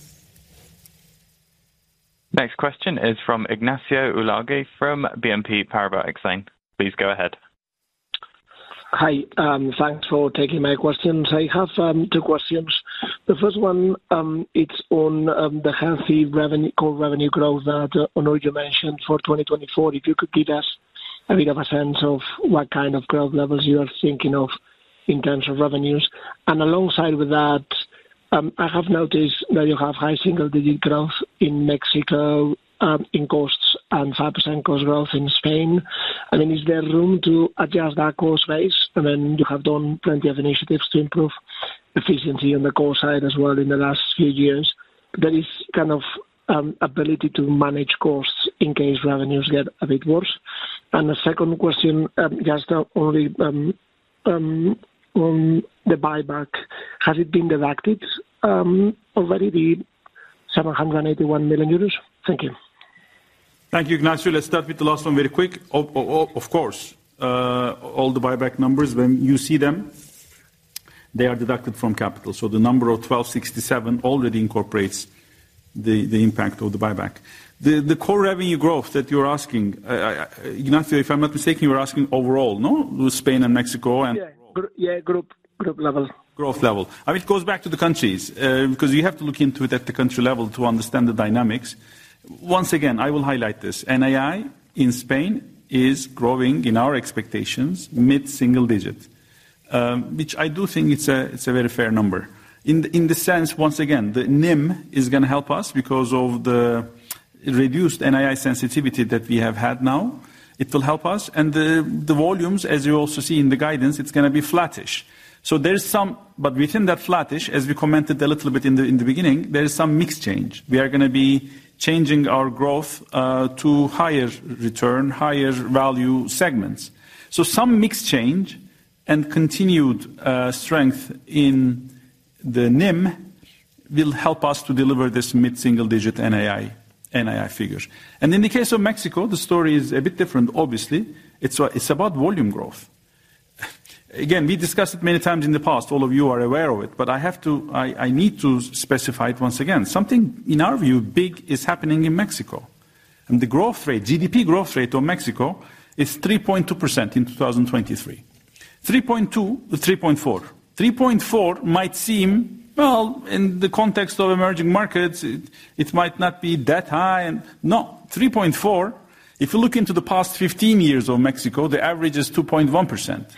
Next question is from Ignacio Ulargui from BNP Paribas Exane. Please go ahead. Hi, thanks for taking my questions. I have two questions. The first one, it's on the healthy revenue, core revenue growth that, Onur, you mentioned for 2024. If you could give us a bit of a sense of what kind of growth levels you are thinking of in terms of revenues. And alongside with that, I have noticed that you have high single-digit growth in Mexico in costs and 5% cost growth in Spain. I mean, is there room to adjust that cost base? I mean, you have done plenty of initiatives to improve efficiency on the cost side as well in the last few years. There is kind of ability to manage costs in case revenues get a bit worse. The second question, just only on the buyback, has it been deducted already, the 781 million euros? Thank you. Thank you, Ignacio. Let's start with the last one very quick. Of course, all the buyback numbers, when you see them, they are deducted from capital. So the number of 12.67 already incorporates the impact of the buyback. The core revenue growth that you're asking, Ignacio, if I'm not mistaken, you were asking overall, no? With Spain and Mexico and- Yeah. Yeah, group, group level. Growth level. I mean, it goes back to the countries, because you have to look into it at the country level to understand the dynamics. Once again, I will highlight this, NII, in Spain, is growing, in our expectations, mid-single digit, which I do think it's a, it's a very fair number. In, in the sense, once again, the NIM is going to help us because of the reduced NII sensitivity that we have had now. It will help us, and the, the volumes, as you also see in the guidance, it's going to be flattish. So there's some... But within that flattish, as we commented a little bit in the, in the beginning, there is some mix change. We are going to be changing our growth, to higher return, higher value segments. So some mix change and continued strength in the NIM will help us to deliver this mid-single-digit NII figures. In the case of Mexico, the story is a bit different, obviously. It's about volume growth. Again, we discussed it many times in the past. All of you are aware of it, but I have to I need to specify it once again. Something, in our view, big is happening in Mexico, and the growth rate, GDP growth rate of Mexico is 3.2% in 2023. 3.2%-3.4%. 3.4 might seem, well, in the context of emerging markets, it might not be that high. No, 3.4, if you look into the past 15 years of Mexico, the average is 2.1%.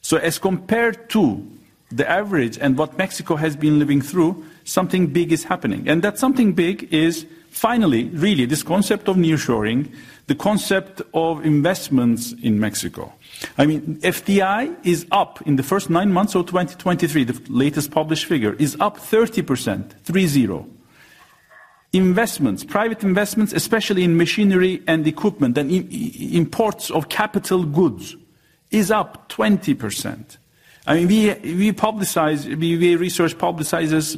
So as compared to the average and what Mexico has been living through, something big is happening. And that something big is finally, really, this concept of nearshoring, the concept of investments in Mexico. I mean, FDI is up in the first nine months of 2023, the latest published figure, is up 30%, 30. Investments, private investments, especially in machinery and equipment, and imports of capital goods, is up 20%. I mean, we publicize, our research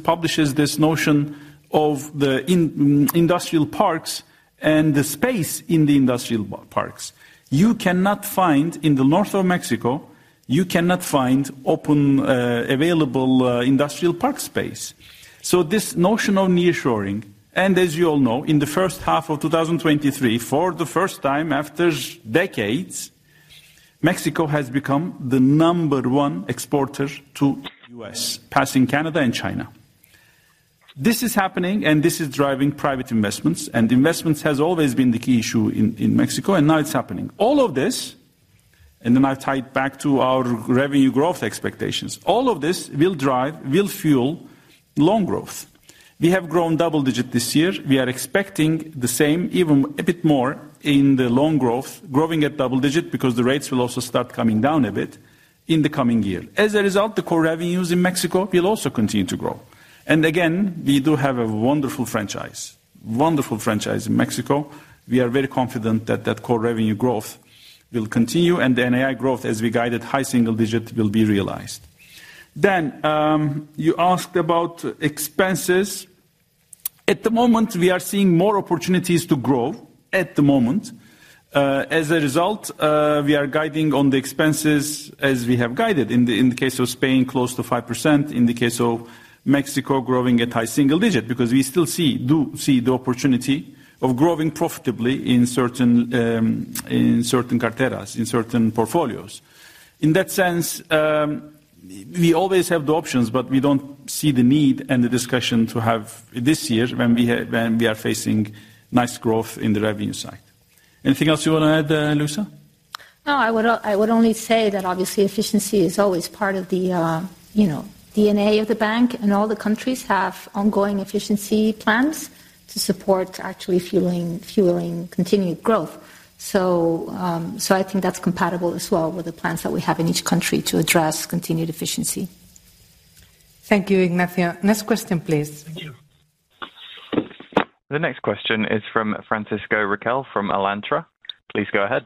publishes this notion of the industrial parks and the space in the industrial parks. You cannot find, in the north of Mexico, you cannot find open, available industrial park space. So this notion of nearshoring, and as you all know, in the first half of 2023, for the first time after decades, Mexico has become the number one exporter to U.S., passing Canada and China. This is happening, and this is driving private investments, and investments has always been the key issue in, in Mexico, and now it's happening. All of this, and then I tie it back to our revenue growth expectations. All of this will drive, will fuel loan growth. We have grown double-digit this year. We are expecting the same, even a bit more, in the loan growth, growing at double-digit, because the rates will also start coming down a bit in the coming year. As a result, the core revenues in Mexico will also continue to grow. And again, we do have a wonderful franchise, wonderful franchise in Mexico. We are very confident that that core revenue growth will continue and the NII growth, as we guided high single digit, will be realized. Then, you asked about expenses. At the moment, we are seeing more opportunities to grow, at the moment. As a result, we are guiding on the expenses as we have guided. In the case of Spain, close to 5%. In the case of Mexico, growing at high single digit, because we still see, do see the opportunity of growing profitably in certain, in certain carteras, in certain portfolios. In that sense, we always have the options, but we don't see the need and the discussion to have this year when we have, when we are facing nice growth in the revenue side. Anything else you want to add, Luisa? No, I would, I would only say that obviously efficiency is always part of the, you know, DNA of the bank, and all the countries have ongoing efficiency plans to support actually fueling, fueling continued growth. So, so I think that's compatible as well with the plans that we have in each country to address continued efficiency. Thank you, Ignacio. Next question, please. Thank you. The next question is from Francisco Riquel from Alantra. Please go ahead.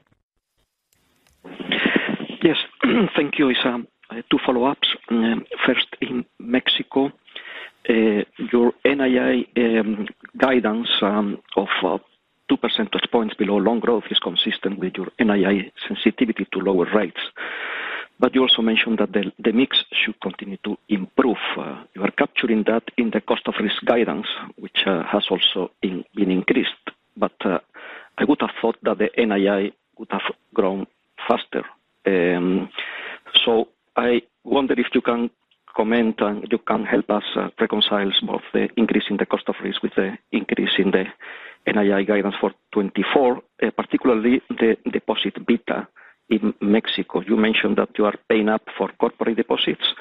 Yes. Thank you. It's two follow-ups. First, in Mexico, your NII guidance of two percentage points below loan growth is consistent with your NII sensitivity to lower rates. But you also mentioned that the mix should continue to improve. You are capturing that in the cost of risk guidance, which has also been increased. But I would have thought that the NII would have grown faster. So I wonder if you can comment and you can help us reconcile some of the increase in the cost of risk with the increase in the NII guidance for 2024, particularly the deposit beta in Mexico. You mentioned that you are paying up for corporate deposits,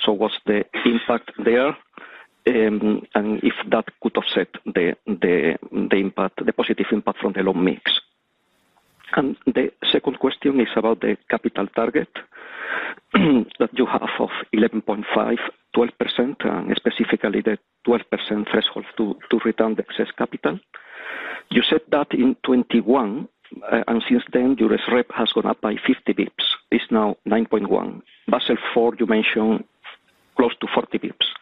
so what's the impact there? And if that could offset the impact, the positive impact from the loan mix. The second question is about the capital target that you have of 11.5%-12%, and specifically the 12% threshold to return the excess capital. You said that in 2021, and since then, your rep has gone up by 50 basis points. It's now 9.1. Basel IV, you mentioned close to 40 basis points.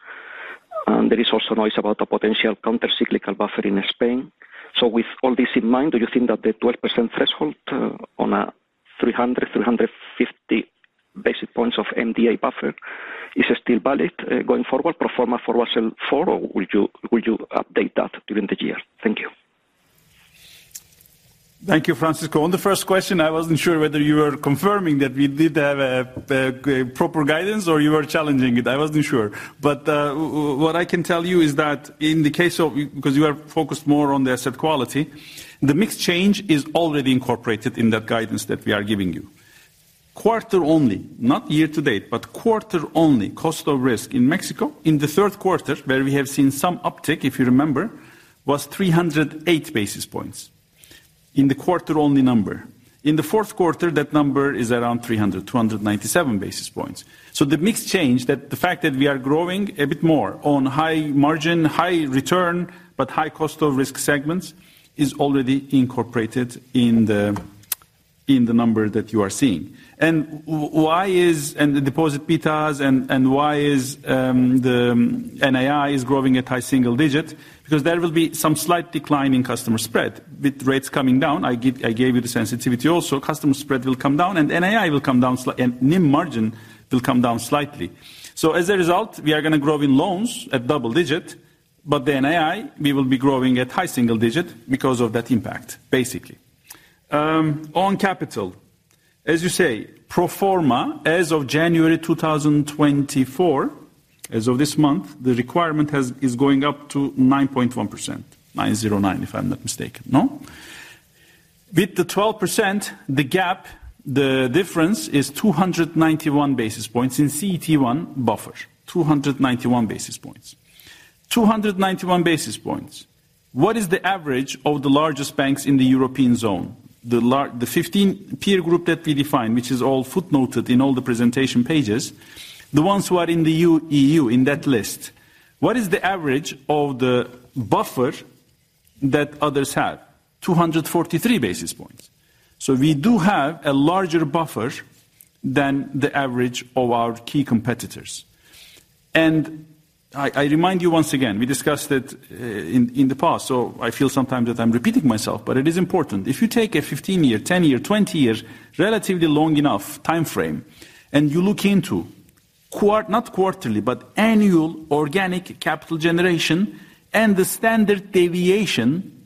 And there is also noise about a potential countercyclical buffer in Spain. So with all this in mind, do you think that the 12% threshold on a 350 basis points of NDA buffer is still valid going forward, pro forma for Basel IV, or would you update that during the year? Thank you. Thank you, Francisco. On the first question, I wasn't sure whether you were confirming that we did have a proper guidance or you were challenging it. I wasn't sure. But, what I can tell you is that in the case of... Because you are focused more on the asset quality, the mix change is already incorporated in that guidance that we are giving you. Quarter only, not year to date, but quarter only, cost of risk in Mexico, in Q3, where we have seen some uptick, if you remember, was 308 basis points, in the quarter-only number. In Q4, that number is around 297 basis points. So the mix change, that the fact that we are growing a bit more on high margin, high return, but high cost of risk segments, is already incorporated in the, in the number that you are seeing. And why is, and the deposit betas and, and why is the NII growing at high single digit? Because there will be some slight decline in customer spread. With rates coming down, I gave you the sensitivity also, customer spread will come down and NII will come down and NIM margin will come down slightly. So as a result, we are going to grow in loans at double digit, but the NII, we will be growing at high single digit because of that impact, basically. On capital, as you say, pro forma, as of January 2024, as of this month, the requirement is going up to 9.1%, 9.09%, if I'm not mistaken, no? With the 12%, the gap, the difference is 291 basis points in CET1 buffer, 291 basis points. 291 basis points. What is the average of the largest banks in the European zone? The 15 peer group that we define, which is all footnoted in all the presentation pages, the ones who are in the EU, in that list, what is the average of the buffer that others have? 243 basis points. So we do have a larger buffer than the average of our key competitors. I remind you once again, we discussed it, in, in the past, so I feel sometimes that I'm repeating myself, but it is important. If you take a 15-year, 10-year, 20-year, relatively long enough time frame, and you look into quarterly, but annual organic capital generation and the standard deviation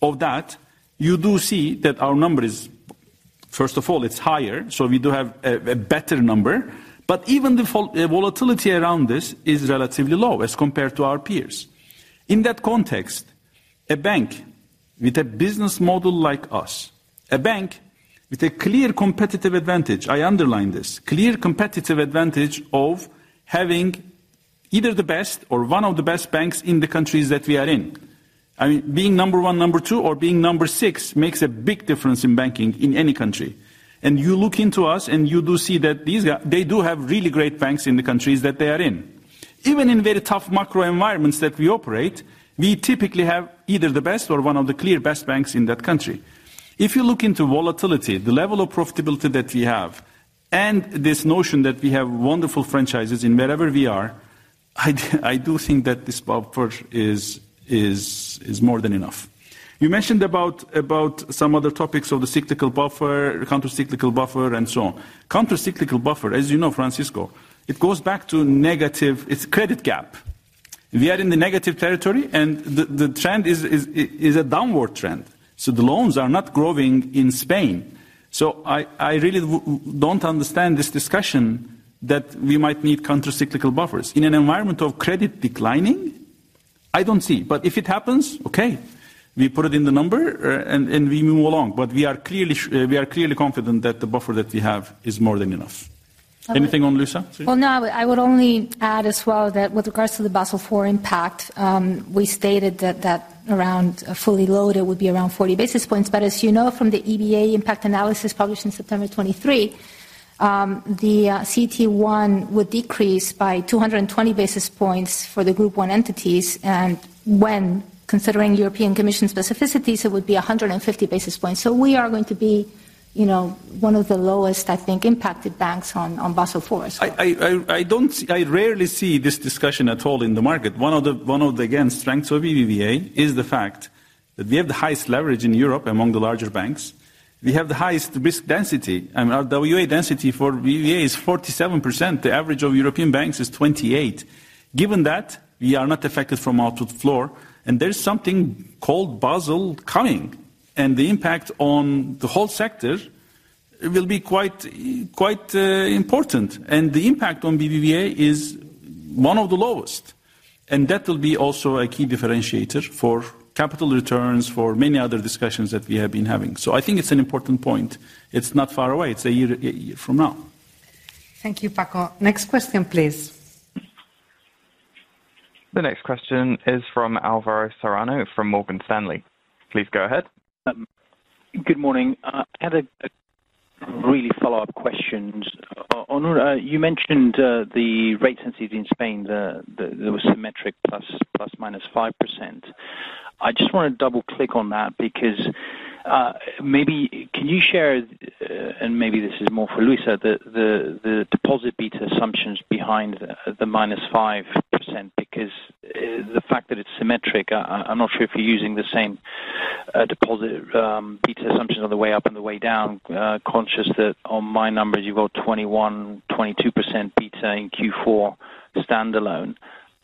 of that, you do see that our number is, first of all, it's higher, so we do have a better number. But even the vol... the volatility around this is relatively low as compared to our peers. In that context, a bank with a business model like us, a bank with a clear competitive advantage, I underline this, clear competitive advantage of having either the best or one of the best banks in the countries that we are in. I mean, being number one, number two or being number six makes a big difference in banking in any country and you look into us and you do see that these-- they do have really great banks in the country that they are in. Even in very tough macro environments that we operate, we typically have either the best or one of the clear best banks in that country. If you look into volatility, the level of profitability that we have, and this notion that we have wonderful franchises in wherever we are, I, I do think that this buffer is, is, is more than enough. You mentioned about, about some other topics of the cyclical buffer, countercyclical buffer, and so on. Countercyclical buffer, as you know, Francisco, it goes back to negative it's credit gap. We are in the negative territory, and the trend is a downward trend, so the loans are not growing in Spain. So I really don't understand this discussion that we might need countercyclical buffers. In an environment of credit declining? I don't see, but if it happens, okay, we put it in the number, and we move along. But we are clearly confident that the buffer that we have is more than enough. Anything on Luisa? Well, no, I would only add as well that with regards to the Basel IV impact, we stated that around, fully loaded would be around 40 basis points. But as you know from the EBA impact analysis published in September 2023, the CET1 would decrease by 220 basis points for the Group I entities, and when considering European Commission specificities, it would be 150 basis points. So we are going to be, you know, one of the lowest, I think, impacted banks on Basel IV. I rarely see this discussion at all in the market. One of the, again, strengths of BBVA is the fact that we have the highest leverage in Europe among the larger banks. We have the highest risk density, and our RWA density for BBVA is 47%, the average of European banks is 28%. Given that, we are not affected by the output floor, and there is something called Basel coming, and the impact on the whole sector, it will be quite important, and the impact on BBVA is one of the lowest. And that will be also a key differentiator for capital returns, for many other discussions that we have been having. So I think it's an important point. It's not far away. It's a year from now. Thank you, Paco. Next question, please. The next question is from Alvaro Serrano from Morgan Stanley. Please go ahead. Good morning. I had a really follow-up questions. Onur, you mentioned the rate sensitivities in Spain. There was symmetric plus minus 5%. I just want to double-click on that because maybe... Can you share, and maybe this is more for Luisa, the deposit beta assumptions behind the minus 5%? Because the fact that it's symmetric, I'm not sure if you're using the same deposit beta assumptions on the way up and the way down, conscious that on my numbers, you've got 21%, 22% beta in Q4 standalone.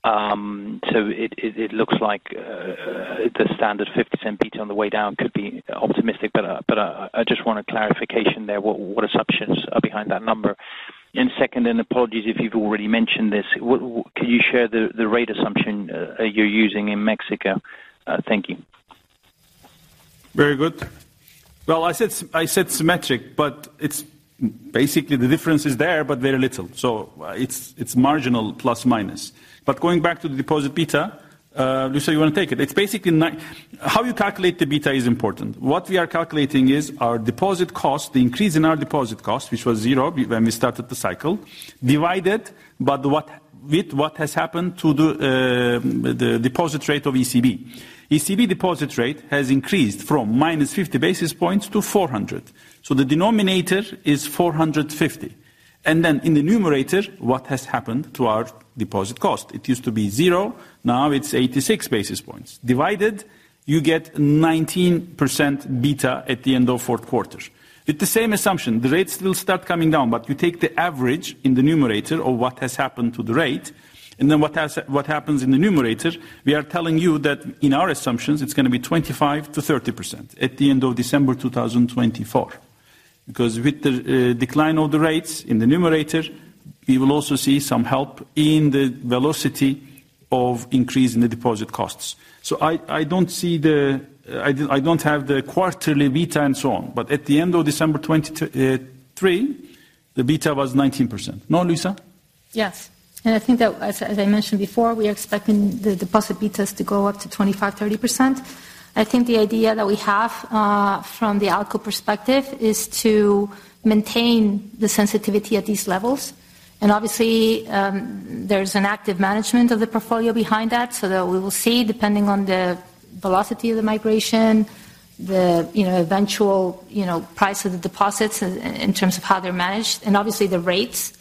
So it looks like the standard 50% beta on the way down could be optimistic, but I just want a clarification there. What assumptions are behind that number? And second, and apologies if you've already mentioned this, can you share the rate assumption you're using in Mexico? Thank you. Very good. Well, I said symmetric, but it's basically the difference is there, but very little. So, it's marginal plus/minus. But going back to the deposit beta, Luisa, you want to take it? It's basically. How you calculate the beta is important. What we are calculating is our deposit cost, the increase in our deposit cost, which was zero when we started the cycle, divided by what has happened to the deposit rate of ECB. ECB deposit rate has increased from -50 basis points to 400, so the denominator is 450. And then in the numerator, what has happened to our deposit cost? It used to be zero, now it's 86 basis points. Divided, you get 19% beta at the end of Q4. With the same assumption, the rates will start coming down, but you take the average in the numerator of what has happened to the rate, and then what happens in the numerator, we are telling you that in our assumptions, it's gonna be 25%-30% at the end of December 2024. Because with the decline of the rates in the numerator, we will also see some help in the velocity of increase in the deposit costs. So I don't see the, I don't have the quarterly beta and so on, but at the end of December 2023, the beta was 19%. No, Luisa? Yes, and I think that, as I mentioned before, we are expecting the deposit betas to go up to 25%-30%. I think the idea that we have from the ALCO perspective is to maintain the sensitivity at these levels. And obviously, there's an active management of the portfolio behind that, so that we will see, depending on the velocity of the migration, the, you know, eventual, you know, price of the deposits in terms of how they're managed, and obviously the rates,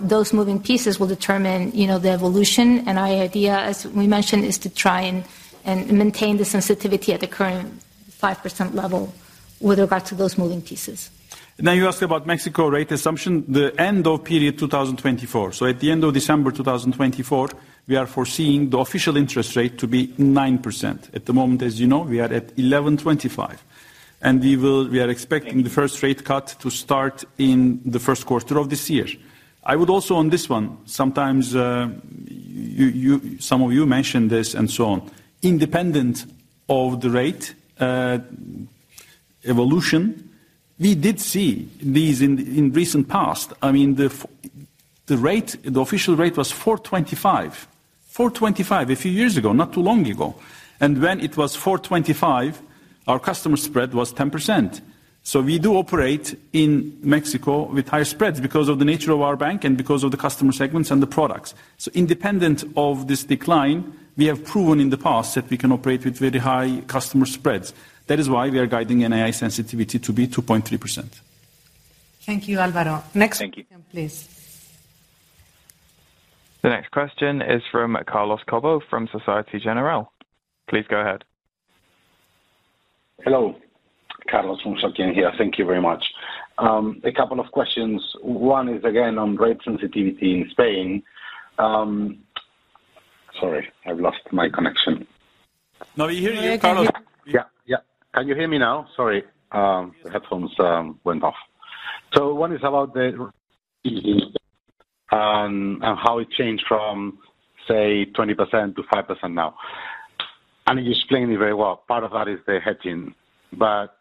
those moving pieces will determine, you know, the evolution. And our idea, as we mentioned, is to try and maintain the sensitivity at the current 5% level with regard to those moving pieces. Now, you asked about Mexico rate assumption, the end of period 2024. So at the end of December 2024, we are foreseeing the official interest rate to be 9%. At the moment, as you know, we are at 11.25%, and we are expecting the first rate cut to start in Q1 of this year. I would also on this one, sometimes, you, some of you mentioned this and so on. Independent of the rate evolution, we did see these in recent past. I mean, the rate, the official rate was 4.25%. 4.25%, a few years ago, not too long ago. And when it was 4.25%, our customer spread was 10%. We do operate in Mexico with high spreads because of the nature of our bank and because of the customer segments and the products. Independent of this decline, we have proven in the past that we can operate with very high customer spreads. That is why we are guiding NII sensitivity to be 2.3%. Thank you, Alvaro. Thank you. Next, please. The next question is from Carlos Cobo, from Société Générale. Please go ahead. Hello, Carlos from SocGen here. Thank you very much. A couple of questions. One is, again, on rate sensitivity in Spain. Sorry, I've lost my connection. No, we hear you, Carlos. We can hear you. Yeah, yeah. Can you hear me now? Sorry, the headphones went off. So one is about the, and how it changed from, say, 20% to 5% now. And you explained it very well. Part of that is the hedging, but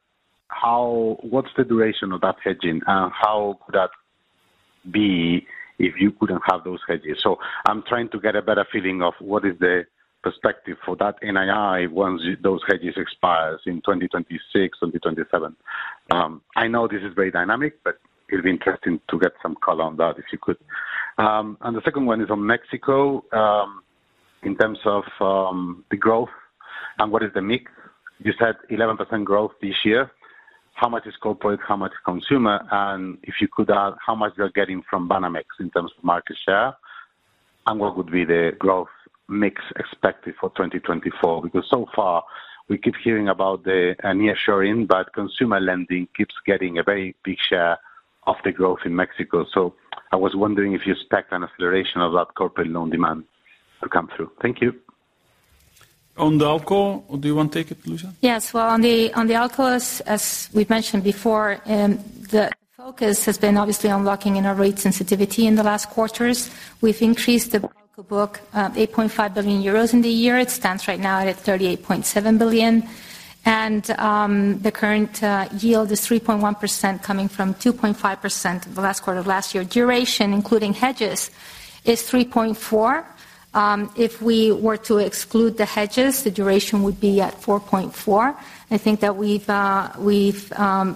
how-- what's the duration of that hedging, and how could that be if you couldn't have those hedges? So I'm trying to get a better feeling of what is the perspective for that NII once those hedges expires in 2026, 2027. I know this is very dynamic, but it'll be interesting to get some color on that, if you could. And the second one is on Mexico, in terms of, the growth and what is the mix. You said 11% growth this year. How much is corporate, how much is consumer? If you could add how much you're getting from Banamex in terms of market share, and what would be the growth mix expected for 2024? Because so far, we keep hearing about the nearshoring, but consumer lending keeps getting a very big share of the growth in Mexico. So I was wondering if you expect an acceleration of that corporate loan demand to come through. Thank you. On the ALCO, or do you want to take it, Luisa? Yes. Well, on the ALCOs, as we've mentioned before, the focus has been obviously on locking in our rate sensitivity in the last quarters. We've increased the book 8.5 billion euros in the year. It stands right now at 38.7 billion, and the current yield is 3.1%, coming from 2.5% the last quarter of last year. Duration, including hedges, is 3.4. If we were to exclude the hedges, the duration would be at 4.4. I think that we've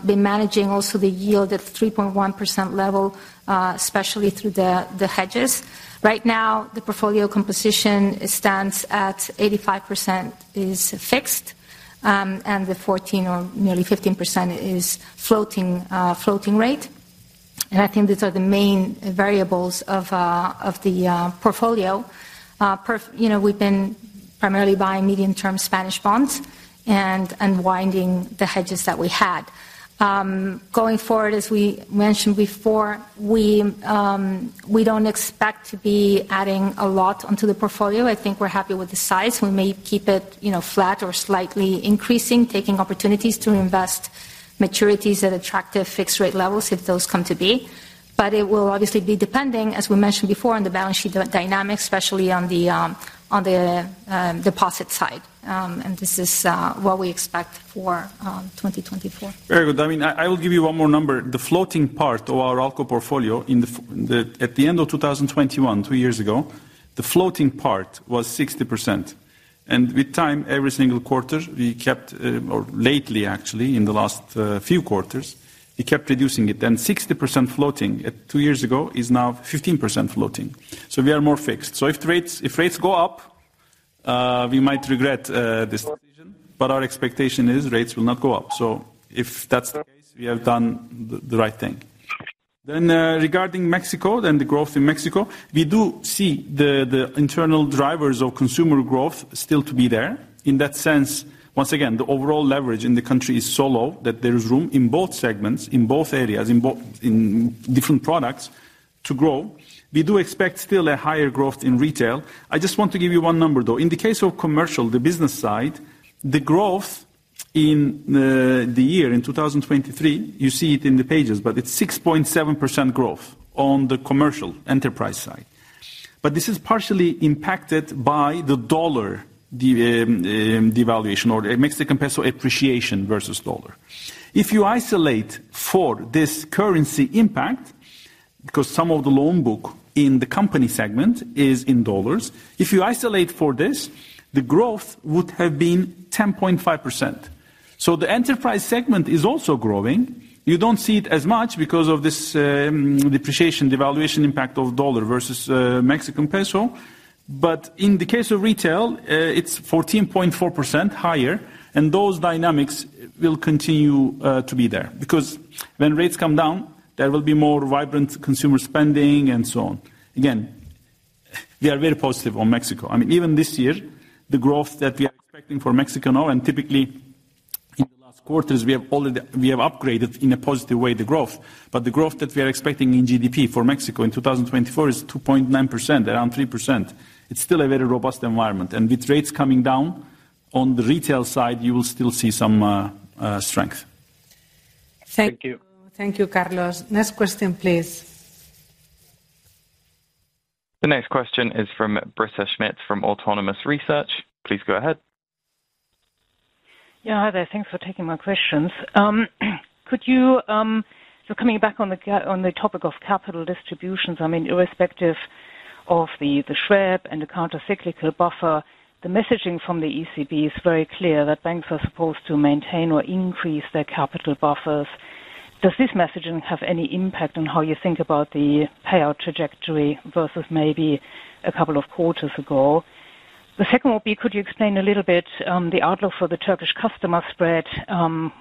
been managing also the yield at 3.1% level, especially through the hedges. Right now, the portfolio composition stands at 85% is fixed, and the 14% or nearly 15% is floating rate. I think these are the main variables of the portfolio. You know, we've been primarily buying medium-term Spanish bonds and unwinding the hedges that we had. Going forward, as we mentioned before, we don't expect to be adding a lot onto the portfolio. I think we're happy with the size. We may keep it, you know, flat or slightly increasing, taking opportunities to invest maturities at attractive fixed rate levels if those come to be. But it will obviously be depending, as we mentioned before, on the balance sheet dynamic, especially on the deposit side. This is what we expect for 2024. Very good. I mean, I will give you one more number. The floating part of our ALCO portfolio at the end of 2021, two years ago, the floating part was 60%, and with time, every single quarter, we kept or lately, actually, in the last few quarters, we kept reducing it. Then 60% floating at two years ago is now 15% floating. So we are more fixed. So if rates, if rates go up, we might regret this decision, but our expectation is rates will not go up. So if that's the case, we have done the right thing. Then, regarding Mexico, then the growth in Mexico, we do see the internal drivers of consumer growth still to be there. In that sense, once again, the overall leverage in the country is so low that there is room in both segments, in both areas, in different products to grow. We do expect still a higher growth in retail. I just want to give you one number, though. In the case of commercial, the business side, the growth in the year, in 2023, you see it in the pages, but it's 6.7% growth on the commercial enterprise side. But this is partially impacted by the dollar devaluation, or it makes the peso appreciation versus dollar. If you isolate for this currency impact, because some of the loan book in the company segment is in dollars, if you isolate for this, the growth would have been 10.5%. So the enterprise segment is also growing. You don't see it as much because of this, depreciation, devaluation impact of US dollar versus Mexican peso. But in the case of retail, it's 14.4% higher, and those dynamics will continue to be there. Because when rates come down, there will be more vibrant consumer spending and so on. Again, we are very positive on Mexico. I mean, even this year, the growth that we are expecting for Mexico now, and typically in the last quarters, we have already... We have upgraded in a positive way, the growth. But the growth that we are expecting in GDP for Mexico in 2024 is 2.9%, around 3%. It's still a very robust environment, and with rates coming down, on the retail side, you will still see some strength. Thank you. Thank you. Thank you, Carlos. Next question, please. The next question is from Britta Schmidt, from Autonomous Research. Please go ahead. Yeah, hi there. Thanks for taking my questions. Could you... So coming back on the topic of capital distributions, I mean, irrespective of the SREP and the countercyclical buffer, the messaging from the ECB is very clear that banks are supposed to maintain or increase their capital buffers. Does this messaging have any impact on how you think about the payout trajectory versus maybe a couple of quarters ago? The second would be, could you explain a little bit the outlook for the Turkish customer spread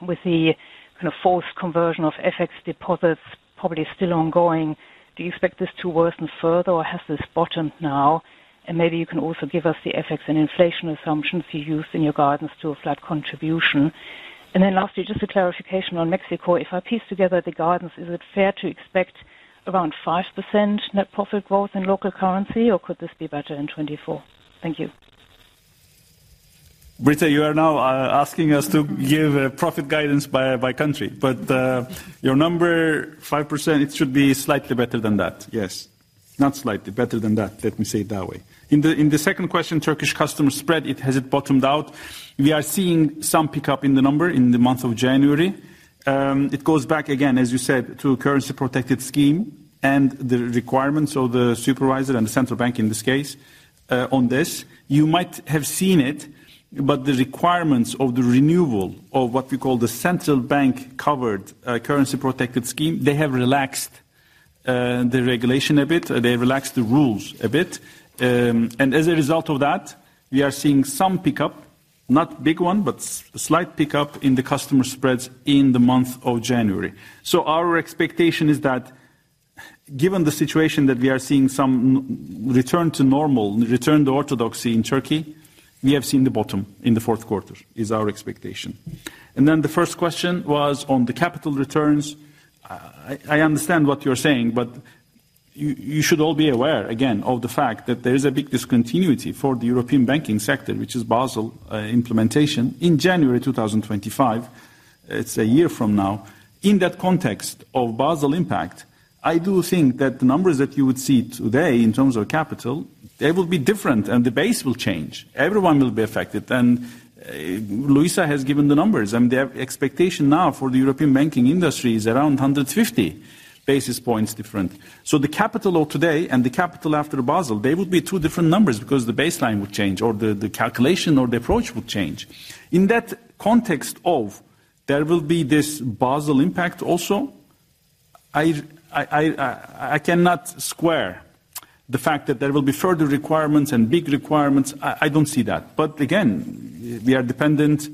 with the kind of forced conversion of FX deposits probably still ongoing, do you expect this to worsen further, or has this bottomed now? And maybe you can also give us the FX and inflation assumptions you used in your guidance to a flat contribution. And then lastly, just a clarification on Mexico. If I piece together the guidance, is it fair to expect around 5% net profit growth in local currency, or could this be better in 2024? Thank you. Britta, you are now asking us to give profit guidance by country. But your number 5%, it should be slightly better than that. Yes. Not slightly, better than that, let me say it that way. In the second question, Turkish customer spread, has it bottomed out? We are seeing some pickup in the number in the month of January. It goes back again, as you said, to a currency-protected scheme and the requirements of the supervisor and the central bank in this case, on this. You might have seen it, but the requirements of the renewal of what we call the central bank-covered currency protected scheme, they have relaxed the regulation a bit, they relaxed the rules a bit. And as a result of that, we are seeing some pickup, not big one, but slight pickup in the customer spreads in the month of January. So our expectation is that given the situation that we are seeing some return to normal, return to orthodoxy in Turkey, we have seen the bottom in Q4, is our expectation. And then the first question was on the capital returns. I understand what you're saying, but you should all be aware, again, of the fact that there is a big discontinuity for the European banking sector, which is Basel implementation in January 2025, it's a year from now. In that context of Basel impact, I do think that the numbers that you would see today in terms of capital, they will be different and the base will change. Everyone will be affected, and Luisa has given the numbers, and the expectation now for the European banking industry is around 150 basis points different. So the capital of today and the capital after Basel, they would be two different numbers because the baseline would change or the calculation or the approach would change. In that context of there will be this Basel impact also, I cannot square the fact that there will be further requirements and big requirements. I don't see that. But again, we are dependent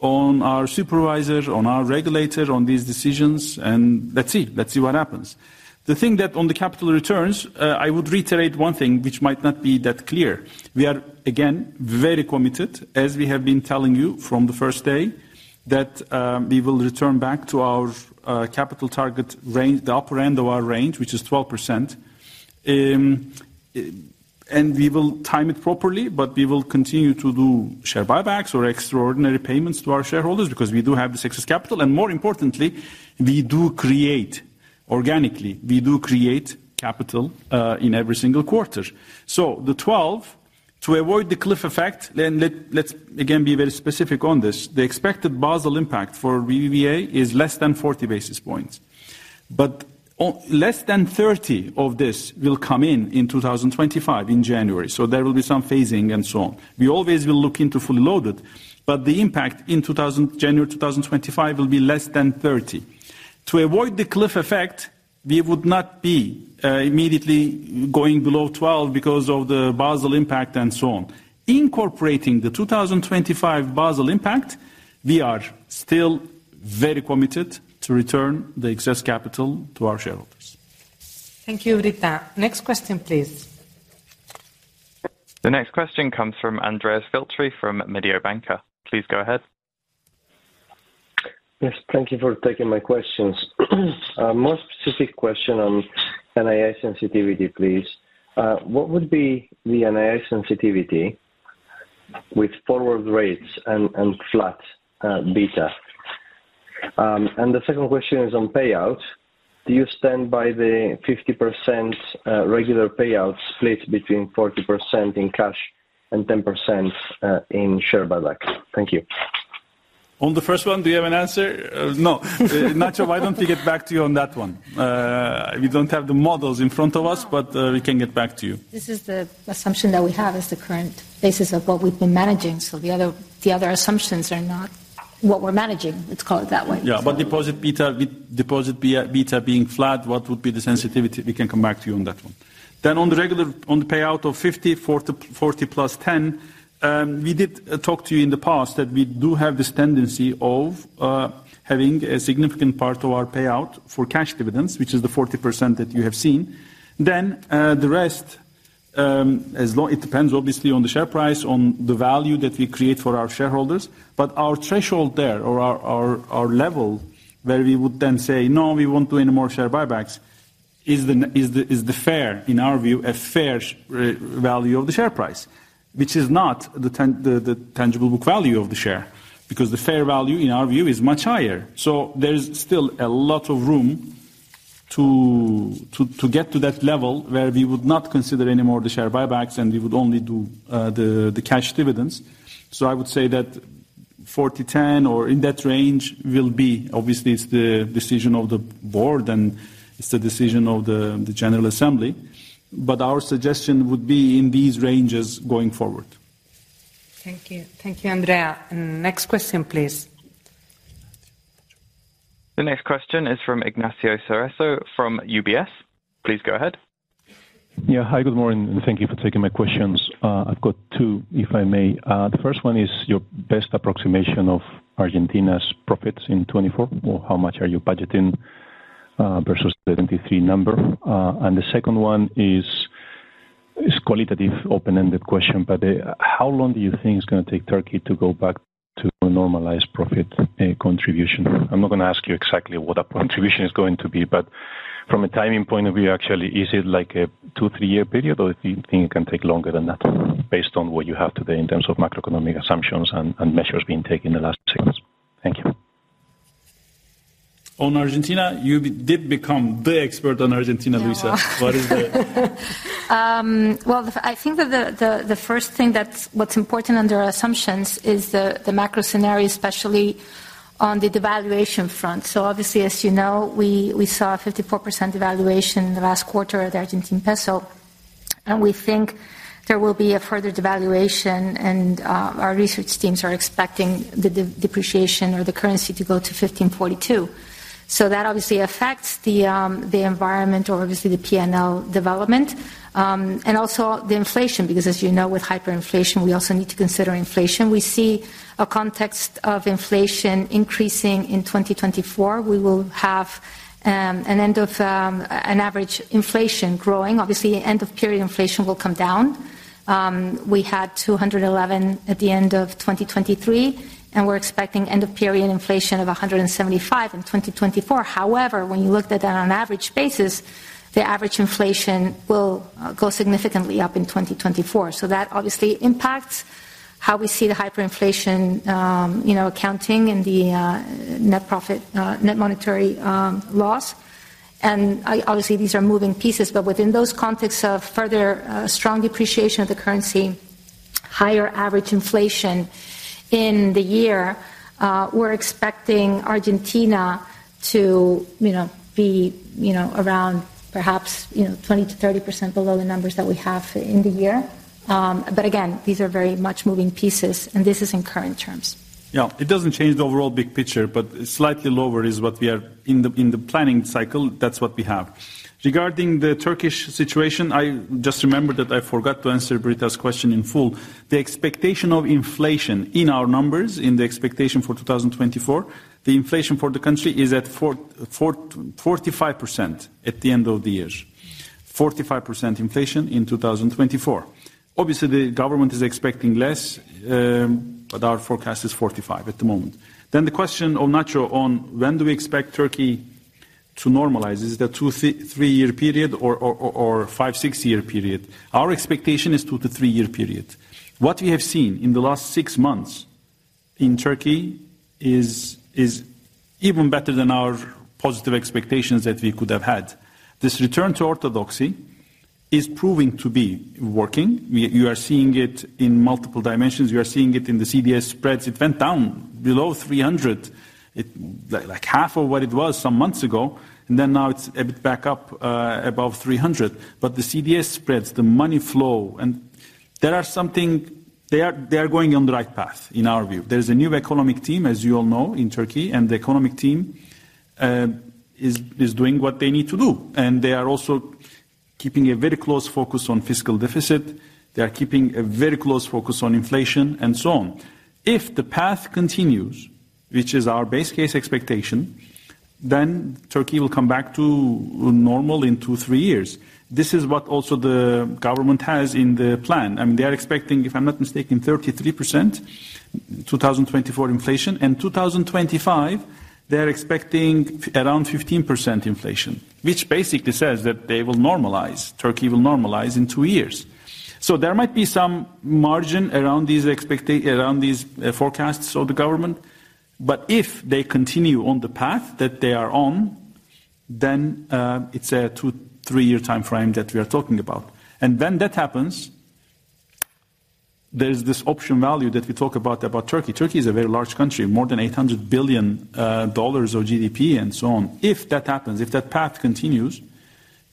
on our supervisors, on our regulators, on these decisions, and let's see. Let's see what happens. The thing that on the capital returns, I would reiterate one thing which might not be that clear. We are, again, very committed, as we have been telling you from the first day, that we will return back to our capital target range, the upper end of our range, which is 12%. And we will time it properly, but we will continue to do share buybacks or extraordinary payments to our shareholders because we do have the excess capital, and more importantly, we do create organically, we do create capital in every single quarter. So the 12, to avoid the cliff effect, then let's again be very specific on this. The expected Basel impact for BBVA is less than 40 basis points. But on... Less than 30 of this will come in in 2025, in January, so there will be some phasing and so on. We always will look into fully loaded, but the impact in 2025-- January 2025 will be less than 30. To avoid the cliff effect, we would not be immediately going below 12 because of the Basel impact and so on. Incorporating the 2025 Basel impact, we are still very committed to return the excess capital to our shareholders. Thank you, Britta. Next question, please. The next question comes from Andrea Filtri from Mediobanca. Please go ahead. Yes, thank you for taking my questions. A more specific question on NII sensitivity, please. What would be the NII sensitivity with forward rates and flat beta? And the second question is on payout. Do you stand by the 50% regular payout split between 40% in cash and 10% in share buyback? Thank you. On the first one, do you have an answer? No. Nacho, why don't we get back to you on that one? We don't have the models in front of us, but we can get back to you. This is the assumption that we have as the current basis of what we've been managing, so the other assumptions are not what we're managing, let's call it that way. Yeah, but deposit beta with deposit beta being flat, what would be the sensitivity? We can come back to you on that one. Then on the regular, on the payout of 50, 40, 40 + 10, we did talk to you in the past that we do have this tendency of having a significant part of our payout for cash dividends, which is the 40% that you have seen. Then the rest, as long... It depends, obviously, on the share price, on the value that we create for our shareholders. But our threshold there or our level where we would then say, "No, we won't do any more share buybacks," is the fair, in our view, a fair value of the share price, which is not the tangible book value of the share, because the fair value, in our view, is much higher. So there is still a lot of room to get to that level where we would not consider any more of the share buybacks, and we would only do the cash dividends. So I would say that 40/10 or in that range will be obviously it's the decision of the board, and it's the decision of the general assembly, but our suggestion would be in these ranges going forward. Thank you. Thank you, Andrea. Next question, please. The next question is from Ignacio Cerezo from UBS. Please go ahead. Yeah. Hi, good morning, and thank you for taking my questions. I've got two, if I may. The first one is your best approximation of Argentina's profits in 2024, or how much are you budgeting versus the 2023 number? And the second one is. It's qualitative, open-ended question, but, how long do you think it's gonna take Turkey to go back to a normalized profit contribution? I'm not gonna ask you exactly what that contribution is going to be, but from a timing point of view, actually, is it like a two, three year period, or do you think it can take longer than that, based on what you have today in terms of macroeconomic assumptions and measures being taken in the last six months? Thank you. On Argentina, you did become the expert on Argentina, Luisa. Well, I think that the first thing that's important under our assumptions is the macro scenario, especially on the devaluation front. So obviously, as you know, we saw a 54% devaluation in the last quarter of the Argentine peso, and we think there will be a further devaluation, and our research teams are expecting the depreciation or the currency to go to 1542. So that obviously affects the environment or obviously the PNL development, and also the inflation, because as you know, with hyperinflation, we also need to consider inflation. We see a context of inflation increasing in 2024. We will have an end of an average inflation growing. Obviously, end-of-period inflation will come down. We had 211 at the end of 2023, and we're expecting end-of-period inflation of 175 in 2024. However, when you looked at that on an average basis, the average inflation will go significantly up in 2024. So that obviously impacts how we see the hyperinflation, you know, accounting and the net profit, net monetary loss. And obviously, these are moving pieces, but within those contexts of further strong depreciation of the currency, higher average inflation in the year, we're expecting Argentina to, you know, be, you know, around perhaps 20%-30% below the numbers that we have in the year. But again, these are very much moving pieces, and this is in current terms. Yeah. It doesn't change the overall big picture, but slightly lower is what we are in the planning cycle, that's what we have. Regarding the Turkish situation, I just remembered that I forgot to answer Britta's question in full. The expectation of inflation in our numbers, in the expectation for 2024, the inflation for the country is at 45% at the end of the year. 45% inflation in 2024. Obviously, the government is expecting less, but our forecast is 45% at the moment. Then the question of Nacho on when do we expect Turkey to normalize? Is it a two, three year period or five, six year period? Our expectation is two, three year period. What we have seen in the last six months in Turkey is even better than our positive expectations that we could have had. This return to orthodoxy is proving to be working. You are seeing it in multiple dimensions. You are seeing it in the CDS spreads. It went down below 300, like half of what it was some months ago, and then now it's a bit back up above 300. But the CDS spreads, the money flow, and there are something... They are going on the right path, in our view. There's a new economic team, as you all know, in Turkey, and the economic team is doing what they need to do, and they are also keeping a very close focus on fiscal deficit. They are keeping a very close focus on inflation and so on. If the path continues, which is our base case expectation, then Turkey will come back to normal in two, three years. This is what also the government has in the plan. I mean, they are expecting, if I'm not mistaken, 33%, 2024 inflation, and 2025, they are expecting around 15% inflation, which basically says that they will normalize. Turkey will normalize in two years. So there might be some margin around these around these forecasts of the government, but if they continue on the path that they are on, then, it's a two, three year timeframe that we are talking about. And when that happens, there's this option value that we talk about, about Turkey. Turkey is a very large country, more than $800 billion of GDP and so on. If that happens, if that path continues,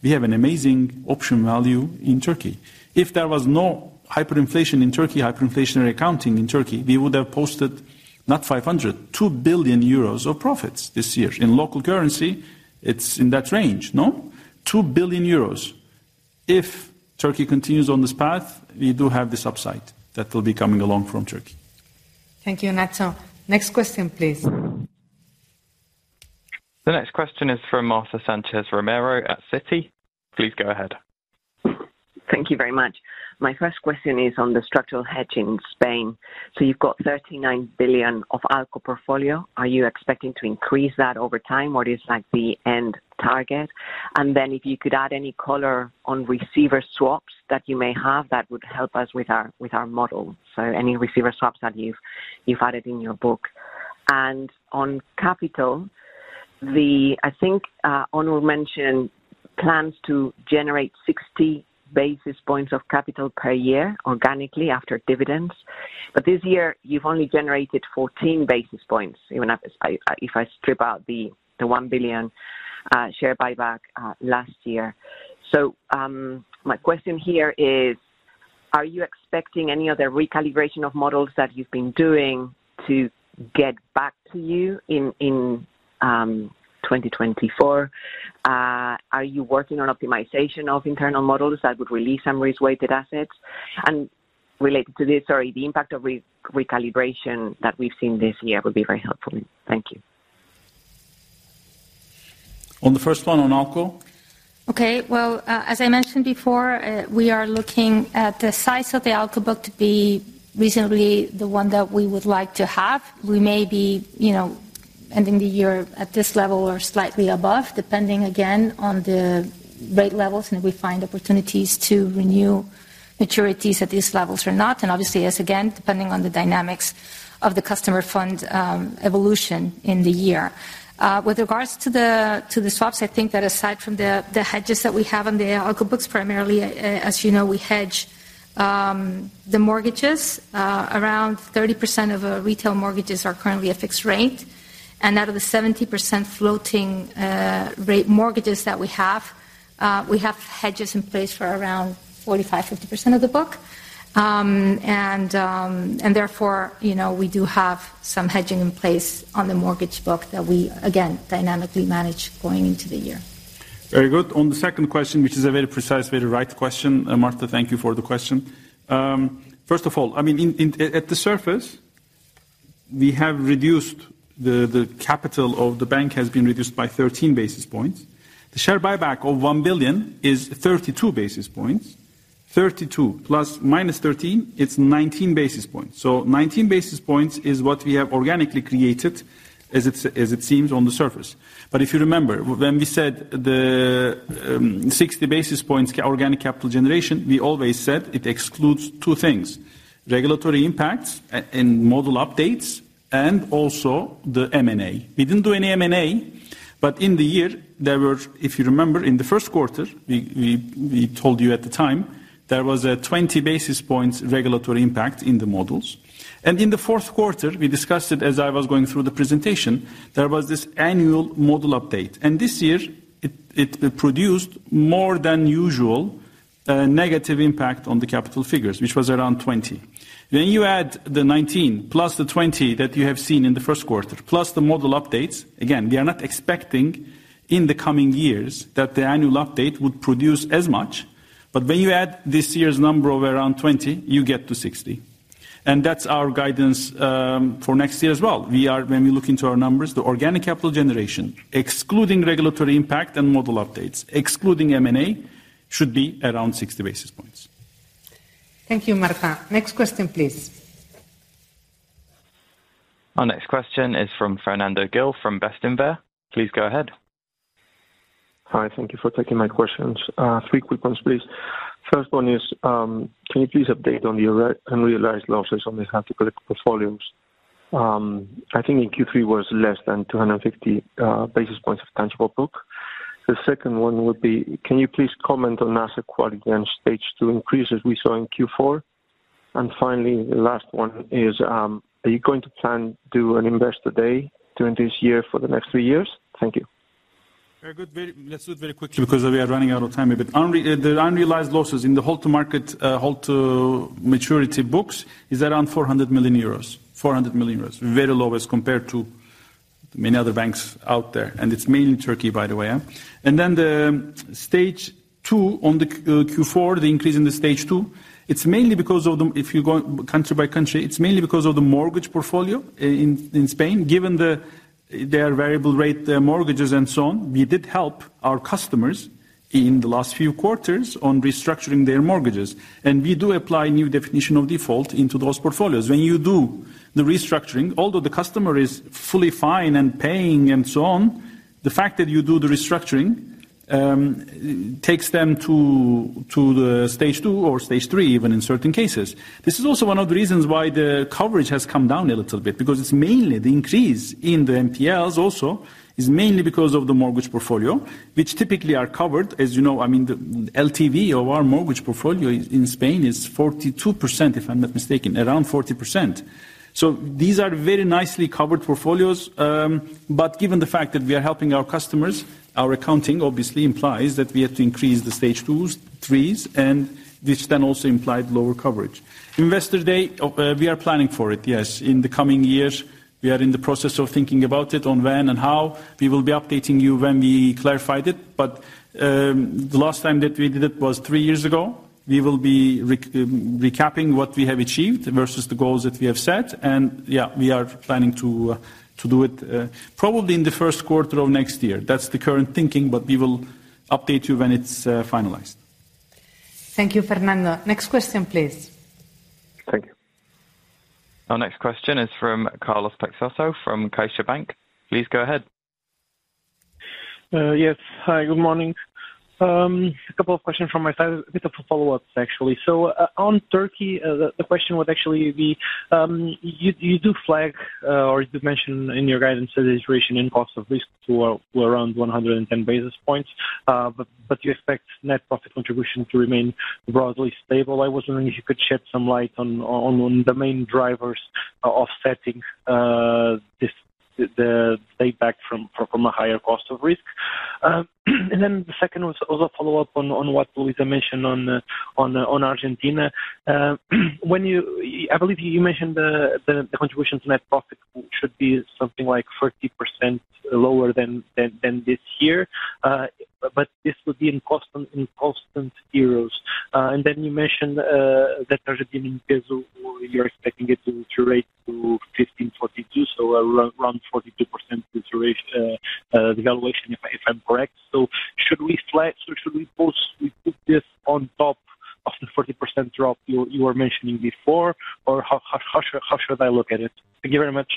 we have an amazing option value in Turkey. If there was no hyperinflation in Turkey, hyperinflationary accounting in Turkey, we would have posted not 500, 2 billion euros of profits this year. In local currency, it's in that range, no? 2 billion euros. If Turkey continues on this path, we do have this upside that will be coming along from Turkey. Thank you, Nacho. Next question, please. The next question is from Marta Sánchez Romero at Citi. Please go ahead. Thank you very much. My first question is on the structural hedge in Spain. So you've got 39 billion of ALCO portfolio. Are you expecting to increase that over time? What is like the end target? And then if you could add any color on receiver swaps that you may have, that would help us with our, with our model. So any receiver swaps that you've, you've added in your book. And on capital, I think, Onur mentioned plans to generate 60 basis points of capital per year, organically after dividends. But this year you've only generated 14 basis points, even if I, I, if I strip out the, the 1 billion share buyback last year. So my question here is: Are you expecting any other recalibration of models that you've been doing to get back to you in, in, 2024? Are you working on optimization of internal models that would release some risk-weighted assets? And related to this, sorry, the impact of recalibration that we've seen this year would be very helpful. Thank you. On the first one, on ALCO? Okay, well, as I mentioned before, we are looking at the size of the ALCO book to be reasonably the one that we would like to have. We may be, you know, ending the year at this level or slightly above, depending again on the rate levels, and if we find opportunities to renew maturities at these levels or not, and obviously, as again, depending on the dynamics of the customer fund evolution in the year. With regards to the swaps, I think that aside from the hedges that we have on the ALCO books, primarily, as you know, we hedge the mortgages. Around 30% of our retail mortgages are currently at fixed rate, and out of the 70% floating rate mortgages that we have, we have hedges in place for around 45%-50% of the book. And therefore, you know, we do have some hedging in place on the mortgage book that we, again, dynamically manage going into the year. Very good. On the second question, which is a very precise, very right question, Marta, thank you for the question. First of all, I mean, at the surface, we have reduced the capital of the bank has been reduced by 13 basis points. The share buyback of 1 billion is 32 basis points. 32 plus minus 13, it's 19 basis points. So 19 basis points is what we have organically created, as it seems on the surface. But if you remember, when we said the 60 basis points organic capital generation, we always said it excludes two things: regulatory impacts and model updates, and also the M&A. We didn't do any M&A, but in the year, there were... If you remember, in Q1, we told you at the time, there was a 20 basis points regulatory impact in the models. In Q4, we discussed it as I was going through the presentation, there was this annual model update. This year, it produced more than usual, negative impact on the capital figures, which was around 20. Then you add the 19 plus the 20 that you have seen in Q1, plus the model updates, again, we are not expecting in the coming years that the annual update would produce as much. But when you add this year's number of around 20, you get to 60. That's our guidance for next year as well. When we look into our numbers, the organic capital generation, excluding regulatory impact and model updates, excluding M&A, should be around 60 basis points. Thank you, Marta. Next question, please. Our next question is from Fernando Gil, from Bestinver. Please go ahead. Hi, thank you for taking my questions. Three quick ones, please. First one is, can you please update on your unrealized losses on the hard-to-collect portfolios? I think in Q3 was less than 250 basis points of tangible book. The second one would be, can you please comment on asset quality and Stage 2 increases we saw in Q4? And finally, the last one is, are you going to plan to do an Investor Day during this year for the next three years? Thank you. Very good. Let's do it very quickly because we are running out of time a bit. The unrealized losses in the hold-to-market, hold-to-maturity books is around 400 million euros. 400 million euros. Very low as compared to many other banks out there, and it's mainly in Turkey, by the way. And then the Stage 2 on the Q4, the increase in the Stage 2, it's mainly because of if you go country by country, it's mainly because of the mortgage portfolio in Spain. Given the their variable rate mortgages and so on, we did help our customers in the last few quarters on restructuring their mortgages. And we do apply new definition of default into those portfolios. When you do the restructuring, although the customer is fully fine and paying and so on, the fact that you do the restructuring takes them to the Stage 2 or Stage 3, even in certain cases. This is also one of the reasons why the coverage has come down a little bit, because it's mainly the increase in the NPLs also, is mainly because of the mortgage portfolio, which typically are covered. As you know, I mean, the LTV of our mortgage portfolio in Spain is 42%, if I'm not mistaken, around 40%. So these are very nicely covered portfolios, but given the fact that we are helping our customers, our accounting obviously implies that we have to increase the Stage 2s, 3s, and this then also implied lower coverage. Investor Day, we are planning for it, yes. In the coming years, we are in the process of thinking about it, on when and how. We will be updating you when we clarified it, but the last time that we did it was three years ago. We will be recapping what we have achieved versus the goals that we have set, and we are planning to do it probably in Q1 of next year. That's the current thinking, but we will update you when it's finalized. Thank you, Fernando. Next question, please. Thank you. Our next question is from Carlos Peixoto, from CaixaBank. Please go ahead. Yes. Hi, good morning. A couple of questions from my side, a bit of a follow-up, actually. So, on Turkey, the question would actually be, you do flag, or you did mention in your guidance the increase in cost of risk to around 110 basis points, but you expect net profit contribution to remain broadly stable. I was wondering if you could shed some light on the main drivers offsetting this, the payback from a higher cost of risk. And then the second was also a follow-up on what Luisa mentioned on Argentina. When you... I believe you mentioned the contribution to net profit should be something like 40% lower than this year. If- ...but this would be in constant euros. And then you mentioned that Argentinean peso, you're expecting it to depreciate to 1,542, so around 42% depreciation, devaluation, if I'm correct. So should we put this on top of the 40% drop you were mentioning before? Or how should I look at it? Thank you very much.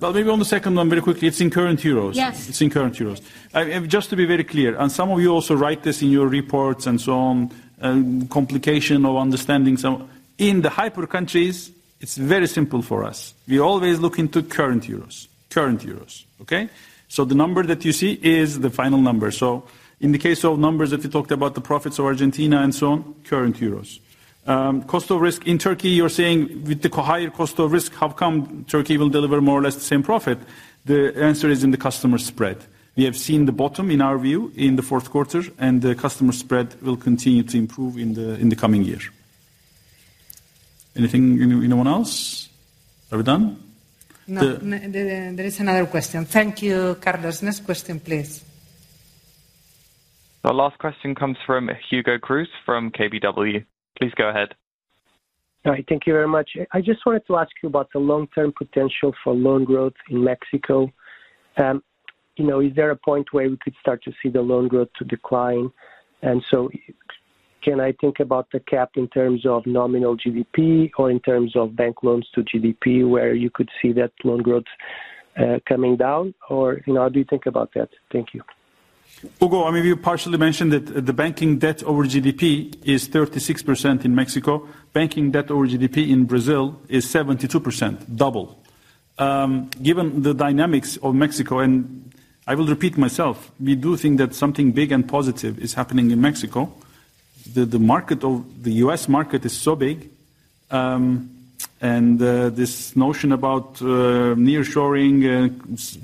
Well, maybe on the second one, very quickly, it's in current euros. Yes. It's in current euros. And just to be very clear, and some of you also write this in your reports and so on, complication of understanding some. In the hyper countries, it's very simple for us. We always look into current euros, current euros, okay? So the number that you see is the final number. So in the case of numbers, if you talked about the profits of Argentina and so on, current euros. Cost of risk in Turkey, you're saying with the higher cost of risk, how come Turkey will deliver more or less the same profit? The answer is in the customer spread. We have seen the bottom, in our view, in Q4, and the customer spread will continue to improve in the coming year. Anything, anyone, anyone else? Are we done? No. There, there is another question. Thank you, Carlos. Next question, please. The last question comes from Hugo Cruz from KBW. Please go ahead. All right. Thank you very much. I just wanted to ask you about the long-term potential for loan growth in Mexico. You know, is there a point where we could start to see the loan growth to decline? And so can I think about the cap in terms of nominal GDP or in terms of bank loans to GDP, where you could see that loan growth coming down? Or, you know, how do you think about that? Thank you. Hugo, I mean, you partially mentioned that the banking debt over GDP is 36% in Mexico. Banking debt over GDP in Brazil is 72%, double. Given the dynamics of Mexico, and I will repeat myself, we do think that something big and positive is happening in Mexico. The US market is so big, and this notion about nearshoring,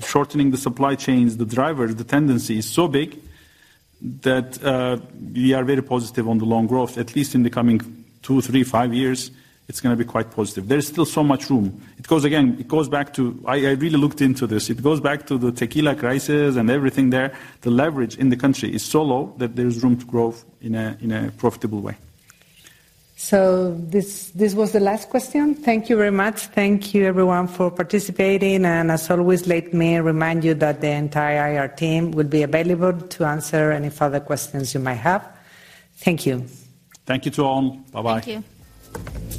shortening the supply chains, the driver, the tendency is so big that we are very positive on the loan growth, at least in the coming two, three, five years, it's gonna be quite positive. There is still so much room. It goes, again, it goes back to... I really looked into this. It goes back to the Tequila Crisis and everything there. The leverage in the country is so low that there is room to grow in a profitable way. This, this was the last question. Thank you very much. Thank you everyone for participating, and as always, let me remind you that the entire IR team will be available to answer any further questions you may have. Thank you. Thank you to all. Bye-bye. Thank you.